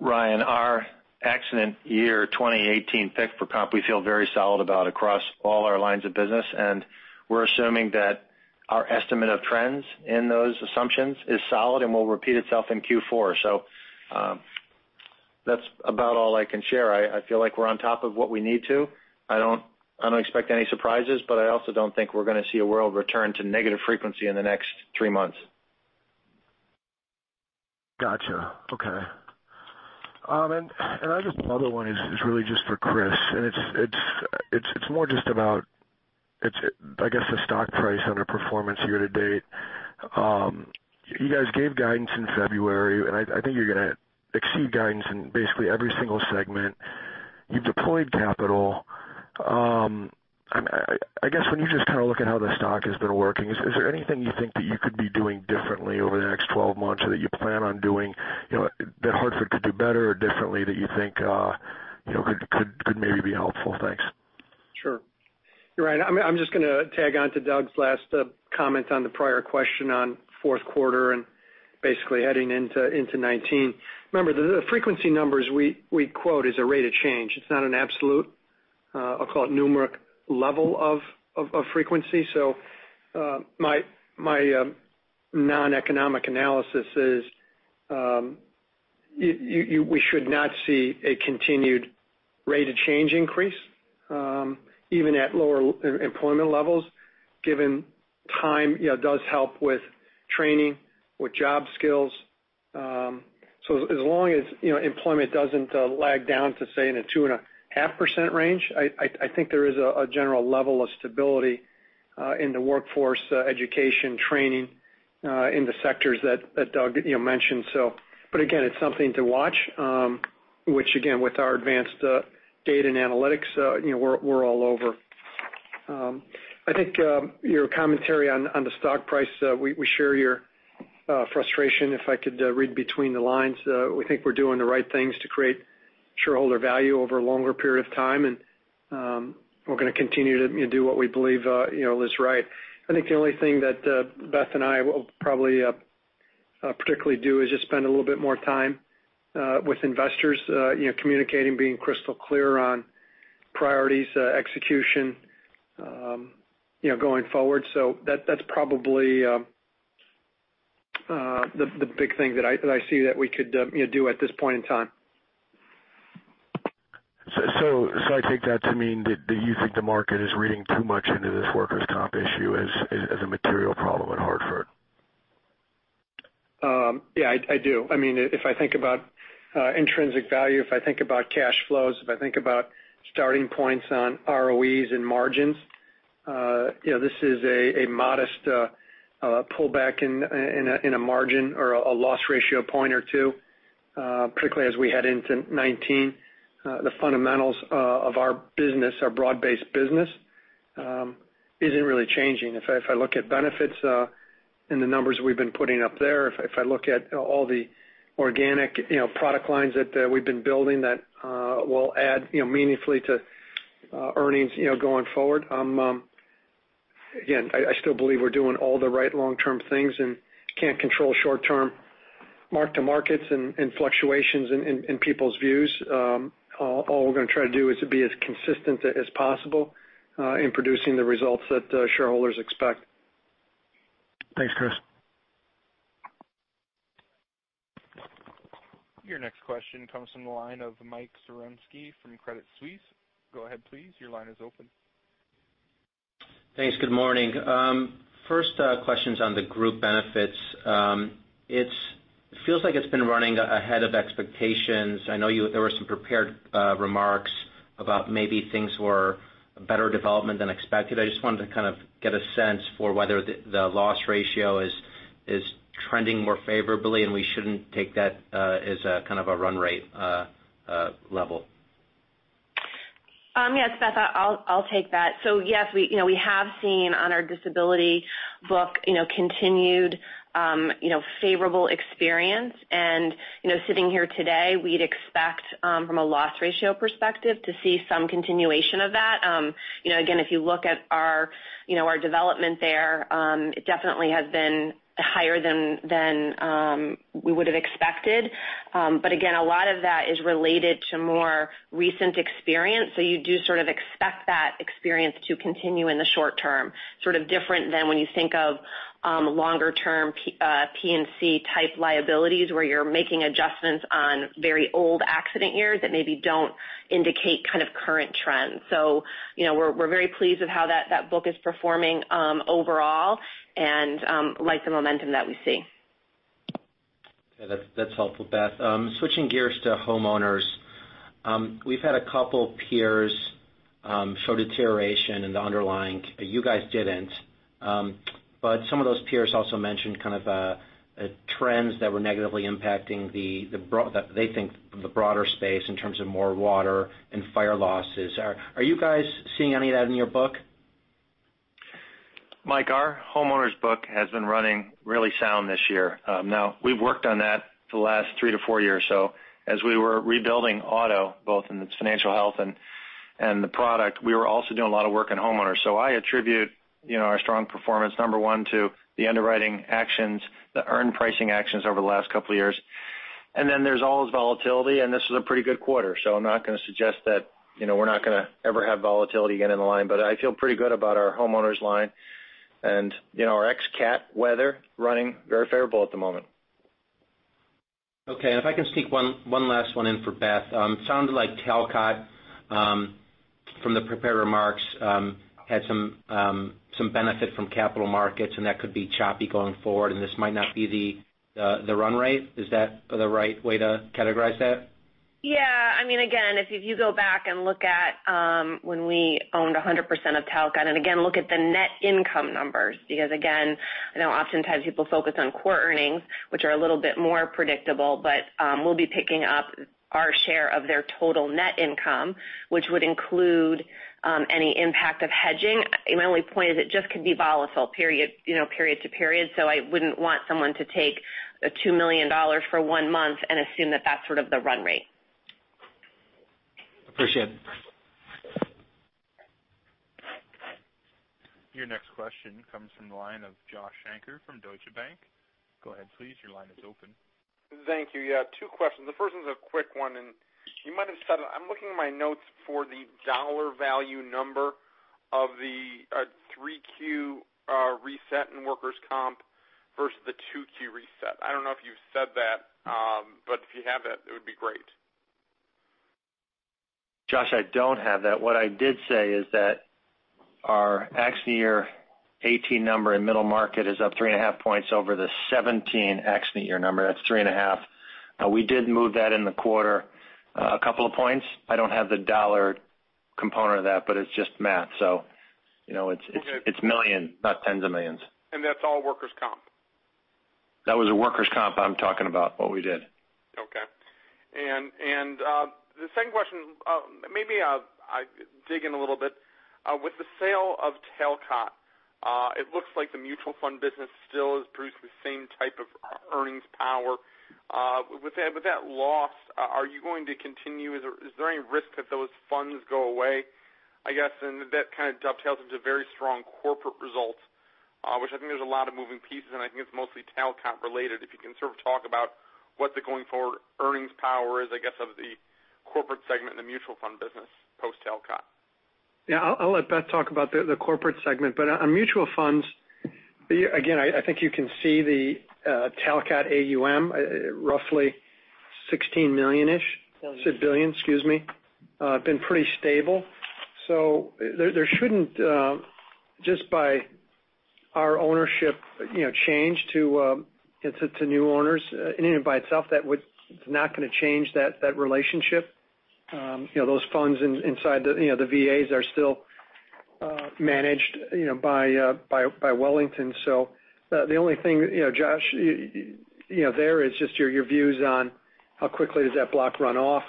Ryan, our accident year 2018 pick for comp, we feel very solid about across all our lines of business, and we're assuming that our estimate of trends in those assumptions is solid and will repeat itself in Q4. That's about all I can share. I feel like we're on top of what we need to. I don't expect any surprises, but I also don't think we're going to see a world return to negative frequency in the next three months. Got you. Okay. I guess the other one is really just for Chris, and it's more just about, I guess, the stock price under performance year to date. You guys gave guidance in February, and I think you're going to exceed guidance in basically every single segment. You've deployed capital. I guess when you just kind of look at how the stock has been working, is there anything you think that you could be doing differently over the next 12 months or that you plan on doing that The Hartford could do better or differently that you think could maybe be helpful? Thanks. Sure. Ryan, I'm just going to tag on to Doug's last comments on the prior question on fourth quarter and basically heading into 2019. Remember, the frequency numbers we quote is a rate of change. It's not an absolute, I'll call it numeric level of frequency. My non-economic analysis is we should not see a continued rate of change increase even at lower employment levels, given time does help with training, with job skills. As long as employment doesn't lag down to, say, in a 2.5% range, I think there is a general level of stability in the workforce education training in the sectors that Doug mentioned. Again, it's something to watch, which again, with our advanced data and analytics, we're all over. I think your commentary on the stock price, we share your frustration, if I could read between the lines. We think we're doing the right things to create shareholder value over a longer period of time, we're going to continue to do what we believe is right. I think the only thing that Beth and I will probably particularly do is just spend a little bit more time with investors communicating, being crystal clear on priorities, execution going forward. That's probably the big thing that I see that we could do at this point in time. I take that to mean that you think the market is reading too much into this workers' comp issue as a material problem at Hartford. Yeah, I do. I mean, if I think about intrinsic value, if I think about cash flows, if I think about starting points on ROEs and margins, this is a modest pullback in a margin or a loss ratio point or two Particularly as we head into 2019, the fundamentals of our business, our broad-based business, isn't really changing. If I look at benefits and the numbers we've been putting up there, if I look at all the organic product lines that we've been building that will add meaningfully to earnings going forward, again, I still believe we're doing all the right long-term things and can't control short-term mark-to-markets and fluctuations in people's views. All we're going to try to do is to be as consistent as possible in producing the results that shareholders expect. Thanks, Chris. Your next question comes from the line of Mike Zaremski from Credit Suisse. Go ahead, please. Your line is open. Thanks. Good morning. First question's on the group benefits. It feels like it's been running ahead of expectations. I know there were some prepared remarks about maybe things were better development than expected. I just wanted to kind of get a sense for whether the loss ratio is trending more favorably, and we shouldn't take that as a kind of a run rate level. Yes, Beth, I'll take that. Yes, we have seen on our disability book continued favorable experience. Sitting here today, we'd expect, from a loss ratio perspective, to see some continuation of that. Again, if you look at our development there, it definitely has been higher than we would've expected. Again, a lot of that is related to more recent experience, so you do sort of expect that experience to continue in the short term, sort of different than when you think of longer-term P&C-type liabilities, where you're making adjustments on very old accident years that maybe don't indicate kind of current trends. We're very pleased with how that book is performing overall and like the momentum that we see. Okay. That's helpful, Beth. Switching gears to homeowners. We've had a couple peers show deterioration in the underlying. You guys didn't. Some of those peers also mentioned kind of trends that were negatively impacting they think the broader space in terms of more water and fire losses. Are you guys seeing any of that in your book? Mike, our homeowners book has been running really sound this year. Now, we've worked on that for the last three to four years or so. As we were rebuilding auto, both in the financial health and the product, we were also doing a lot of work in homeowners. I attribute our strong performance, number 1, to the underwriting actions, the earned pricing actions over the last couple of years. There's always volatility, and this was a pretty good quarter, so I'm not going to suggest that we're not going to ever have volatility again in the line. I feel pretty good about our homeowners line. Our ex-cat weather running very favorable at the moment. Okay, and if I can sneak one last one in for Beth. It sounded like Talcott, from the prepared remarks, had some benefit from capital markets, and that could be choppy going forward, and this might not be the run rate. Is that the right way to categorize that? Yeah. Again, if you go back and look at when we owned 100% of Talcott, and again, look at the net income numbers, because again, I know oftentimes people focus on core earnings, which are a little bit more predictable, but we'll be picking up our share of their total net income, which would include any impact of hedging. My only point is it just could be volatile period to period, so I wouldn't want someone to take $2 million for one month and assume that that's sort of the run rate. Appreciate it. Your next question comes from the line of Josh Shanker from Deutsche Bank. Go ahead, please. Your line is open. Thank you. Yeah, two questions. The first one's a quick one, and you might have said it. I'm looking at my notes for the dollar value number of the 3Q reset in workers' comp versus the 2Q reset. I don't know if you've said that, but if you have that, it would be great. Josh, I don't have that. What I did say is that our accident year 2018 number in middle market is up three and a half points over the 2017 accident year number. That's three and a half. We did move that in the quarter a couple of points. I don't have the dollar component of that, but it's just math, so it's million, not tens of millions. That's all workers' comp? That was a workers' comp I'm talking about, what we did. Okay. The second question, maybe I dig in a little bit. With the sale of Talcott, it looks like the mutual fund business still has produced the same type of earnings power. With that loss, are you going to continue? Is there any risk if those funds go away, I guess? That kind of dovetails into very strong corporate results, which I think there's a lot of moving pieces, and I think it's mostly Talcott related. If you can sort of talk about what the going forward earnings power is, I guess, of the corporate segment and the mutual fund business post Talcott. Yeah. I'll let Beth talk about the corporate segment. On mutual funds, again, I think you can see the Talcott AUM, roughly $16 million-ish. Billions. Said billion, excuse me. Been pretty stable. There shouldn't, just by our ownership change to new owners, in and by itself, it's not going to change that relationship. Those funds inside the VAs are still Managed by Wellington. The only thing, Josh, there is just your views on how quickly does that block run off,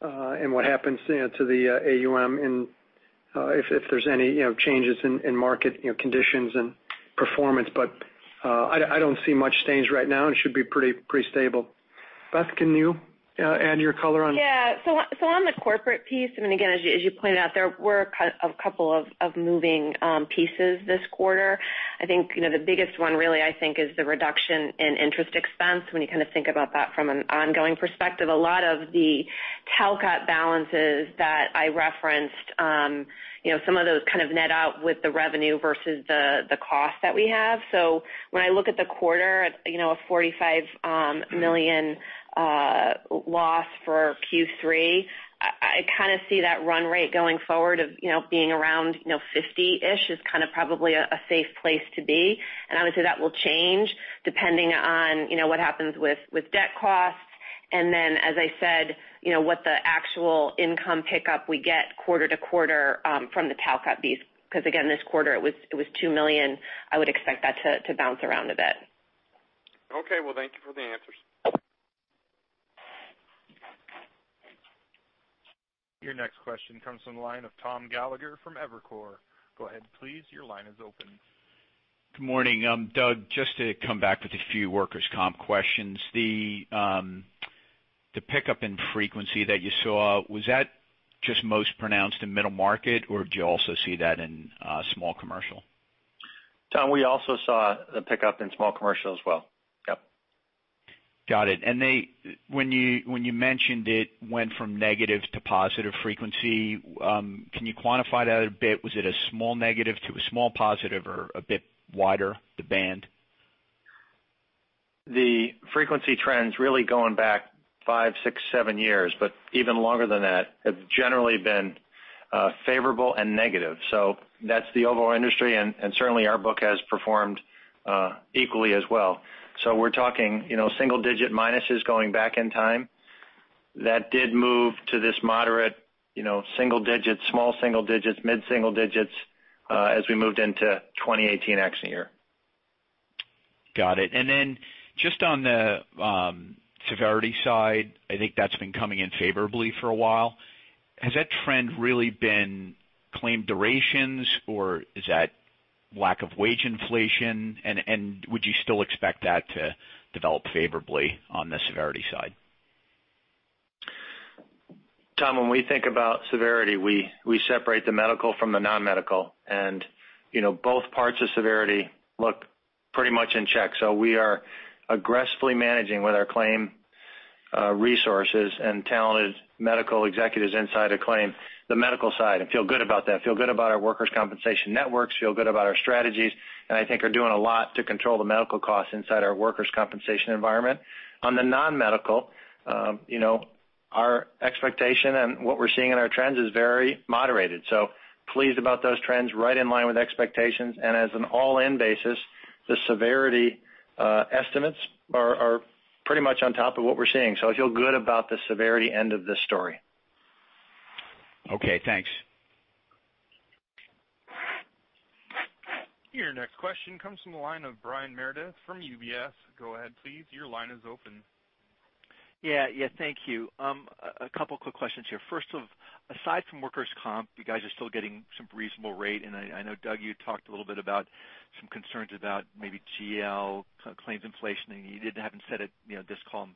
and what happens to the AUM, and if there's any changes in market conditions and performance. I don't see much change right now. It should be pretty stable. Beth, can you add your color on- Yeah. On the corporate piece, and again, as you pointed out, there were a couple of moving pieces this quarter. I think the biggest one really, I think, is the reduction in interest expense. When you think about that from an ongoing perspective, a lot of the Talcott balances that I referenced, some of those kind of net out with the revenue versus the cost that we have. When I look at the quarter, a $45 million loss for Q3, I kind of see that run rate going forward of being around 50-ish is kind of probably a safe place to be. Obviously, that will change depending on what happens with debt costs. Then, as I said, what the actual income pickup we get quarter to quarter from the Talcott piece, because again, this quarter it was $2 million. I would expect that to bounce around a bit. Okay. Well, thank you for the answers. Your next question comes from the line of Tom Gallagher from Evercore. Go ahead, please. Your line is open. Good morning. Doug, just to come back with a few workers' comp questions. The pickup in frequency that you saw, was that just most pronounced in middle market, or do you also see that in small commercial? Tom, we also saw the pickup in small commercial as well. Yep. Got it. When you mentioned it went from negative to positive frequency, can you quantify that a bit? Was it a small negative to a small positive or a bit wider, the band? The frequency trends really going back five, six, seven years, but even longer than that, have generally been favorable and negative. That's the overall industry, and certainly our book has performed equally as well. We're talking single-digit minuses going back in time that did move to this moderate single digits, small single digits, mid single digits as we moved into 2018 accident year. Got it. Then just on the severity side, I think that's been coming in favorably for a while. Has that trend really been claim durations, or is that lack of wage inflation? Would you still expect that to develop favorably on the severity side? Tom, when we think about severity, we separate the medical from the non-medical, both parts of severity look pretty much in check. We are aggressively managing with our claim resources and talented medical executives inside of claim the medical side, feel good about that, feel good about our workers' compensation networks, feel good about our strategies, I think are doing a lot to control the medical costs inside our workers' compensation environment. On the non-medical, our expectation and what we're seeing in our trends is very moderated. Pleased about those trends, right in line with expectations, as an all-in basis, the severity estimates are pretty much on top of what we're seeing. I feel good about the severity end of this story. Okay, thanks. Your next question comes from the line of Brian Meredith from UBS. Go ahead, please. Your line is open. Yeah. Thank you. A couple quick questions here. First off, aside from workers' comp, you guys are still getting some reasonable rate, and I know, Doug, you talked a little bit about some concerns about maybe GL claims inflation, and you didn't haven't said it this call. I'm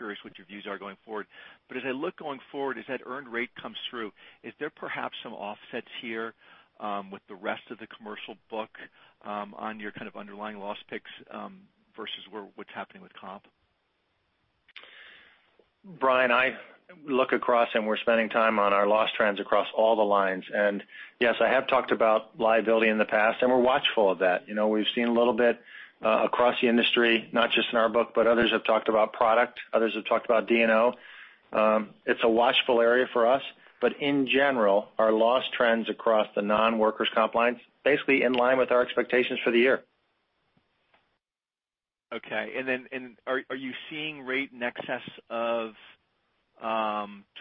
curious what your views are going forward. As I look going forward, as that earned rate comes through, is there perhaps some offsets here with the rest of the commercial book on your kind of underlying loss picks versus what's happening with comp? Brian, I look across, we're spending time on our loss trends across all the lines. Yes, I have talked about liability in the past, and we're watchful of that. We've seen a little bit across the industry, not just in our book, but others have talked about product, others have talked about D&O. It's a watchful area for us, in general, our loss trends across the non-workers' comp lines basically in line with our expectations for the year. Okay. Are you seeing rate in excess of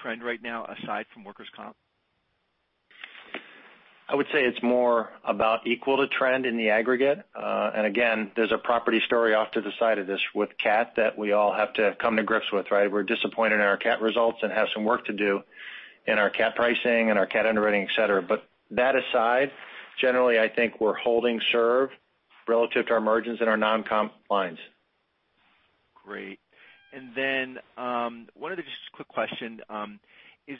trend right now aside from workers' comp? I would say it's more about equal to trend in the aggregate. Again, there's a property story off to the side of this with cat that we all have to come to grips with, right? We're disappointed in our cat results and have some work to do in our cat pricing and our cat underwriting, et cetera. That aside, generally, I think we're holding serve relative to our margins in our non-comp lines. Great. One other just quick question. Is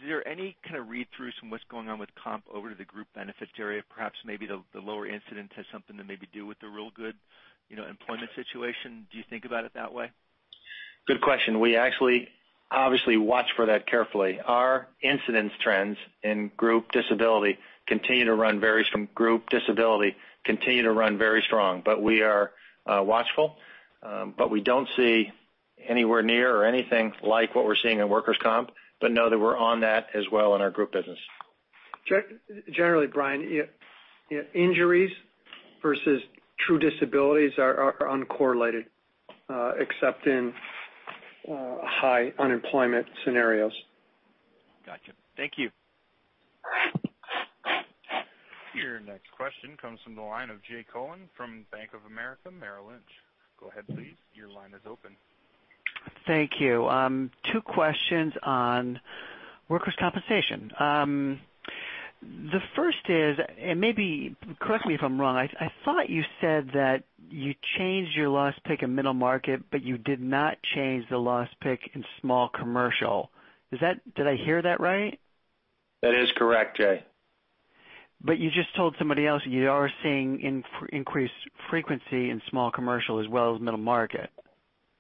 there any kind of read-through from what's going on with comp over to the group benefits area? Perhaps maybe the lower incidence has something to maybe do with the real good employment situation. Do you think about it that way? Good question. We actually obviously watch for that carefully. Our incidence trends in group disability continue to run very strong, we are watchful. We don't see anywhere near or anything like what we're seeing in workers' comp, know that we're on that as well in our group business. Generally, Brian, injuries versus true disabilities are uncorrelated, except in. High unemployment scenarios. Gotcha. Thank you. Your next question comes from the line of Jay Cohen from Bank of America Merrill Lynch. Go ahead, please. Your line is open. Thank you. Two questions on workers' compensation. The first is, maybe correct me if I'm wrong, I thought you said that you changed your loss pick in middle market, you did not change the loss pick in small commercial. Did I hear that right? That is correct, Jay. You just told somebody else you are seeing increased frequency in small commercial as well as middle market.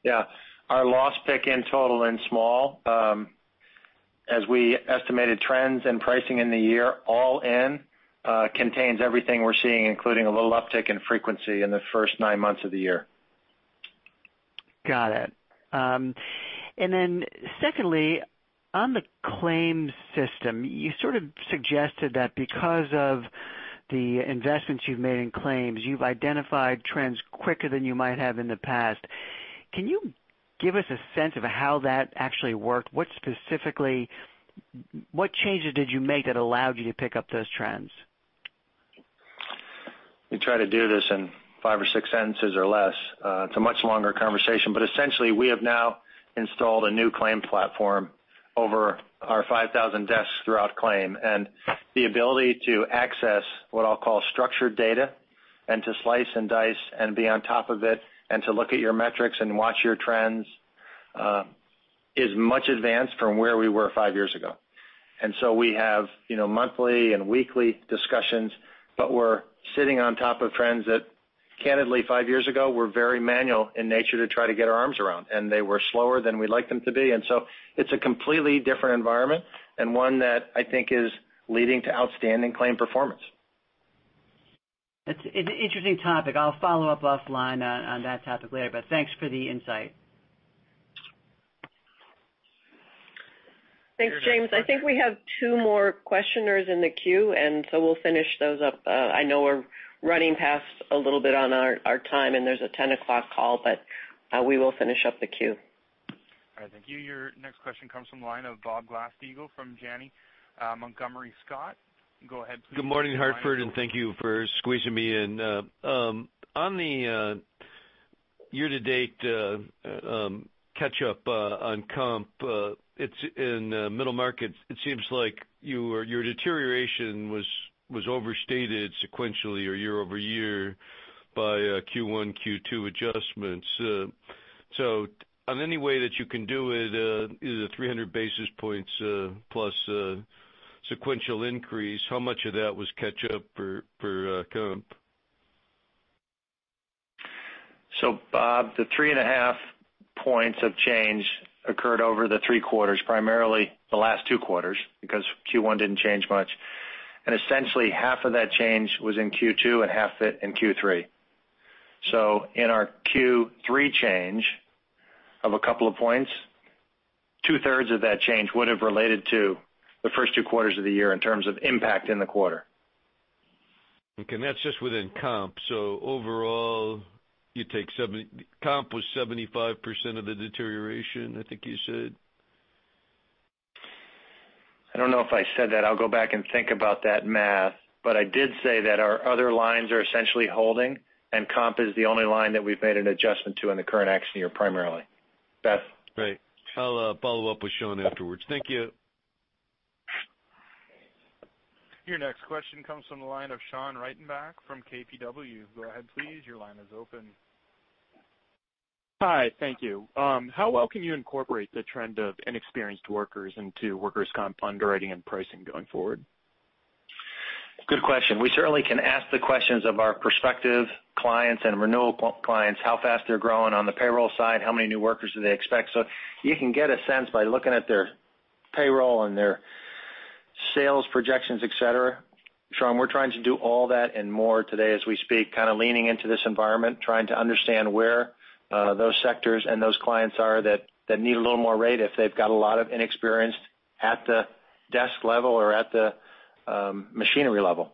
Yeah. Our loss pick in total and small, as we estimated trends and pricing in the year, all in, contains everything we're seeing, including a little uptick in frequency in the first nine months of the year. Got it. Secondly, on the claims system, you sort of suggested that because of the investments you've made in claims, you've identified trends quicker than you might have in the past. Can you give us a sense of how that actually worked? What changes did you make that allowed you to pick up those trends? Let me try to do this in five or six sentences or less. It's a much longer conversation, but essentially we have now installed a new claim platform over our 5,000 desks throughout claim, and the ability to access what I'll call structured data and to slice and dice and be on top of it, and to look at your metrics and watch your trends, is much advanced from where we were five years ago. We have monthly and weekly discussions, but we're sitting on top of trends that candidly, five years ago, were very manual in nature to try to get our arms around, and they were slower than we'd like them to be. It's a completely different environment and one that I think is leading to outstanding claim performance. It's an interesting topic. I'll follow up offline on that topic later, but thanks for the insight. Your next question- Thanks, Jay. I think we have two more questioners in the queue. We'll finish those up. I know we're running past a little bit on our time, and there's a ten o'clock call, we will finish up the queue. All right. Thank you. Your next question comes from the line of Bob Glasspiegel from Janney Montgomery Scott. Go ahead please. Good morning, Hartford. Thank you for squeezing me in. On the year-to-date catch up on comp, it's in middle market. It seems like your deterioration was overstated sequentially or year-over-year by Q1, Q2 adjustments. On any way that you can do it, the 300 basis points plus sequential increase, how much of that was catch up for comp? Bob, the three and a half points of change occurred over the three quarters, primarily the last two quarters, because Q1 didn't change much. Essentially half of that change was in Q2 and half it in Q3. In our Q3 change of a couple of points, two-thirds of that change would've related to the first two quarters of the year in terms of impact in the quarter. Okay. That's just within comp. Overall, comp was 75% of the deterioration, I think you said? I don't know if I said that. I'll go back and think about that math, but I did say that our other lines are essentially holding and comp is the only line that we've made an adjustment to in the current accident year, primarily. Beth? Great. I'll follow up with Sean afterwards. Thank you. Your next question comes from the line of Sean Reitenbach from KBW. Go ahead, please. Your line is open. Hi. Thank you. How well can you incorporate the trend of inexperienced workers into workers' comp underwriting and pricing going forward? Good question. We certainly can ask the questions of our prospective clients and renewal clients, how fast they're growing on the payroll side, how many new workers do they expect? You can get a sense by looking at their payroll and their sales projections, et cetera. Sean, we're trying to do all that and more today as we speak, kind of leaning into this environment, trying to understand where those sectors and those clients are that need a little more rate if they've got a lot of inexperienced at the desk level or at the machinery level.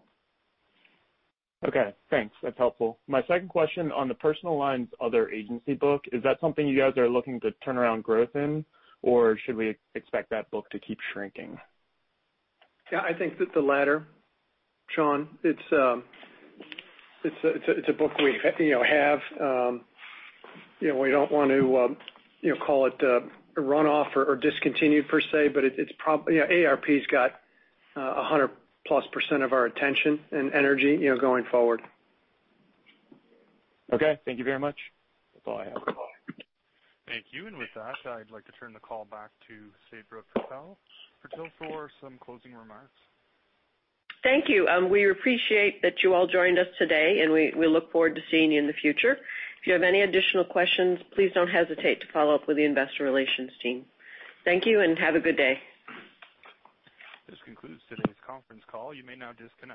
Okay, thanks. That's helpful. My second question on the personal lines other agency book, is that something you guys are looking to turn around growth in? Or should we expect that book to keep shrinking? Yeah, I think it's the latter, Sean. It's a book we have. We don't want to call it a runoff or discontinued per se. AARP's got 100% plus of our attention and energy going forward. Okay. Thank you very much. That's all I have. Thank you. With that, I'd like to turn the call back to Sabra Purtill for some closing remarks. Thank you. We appreciate that you all joined us today, and we look forward to seeing you in the future. If you have any additional questions, please don't hesitate to follow up with the investor relations team. Thank you and have a good day. This concludes today's conference call. You may now disconnect.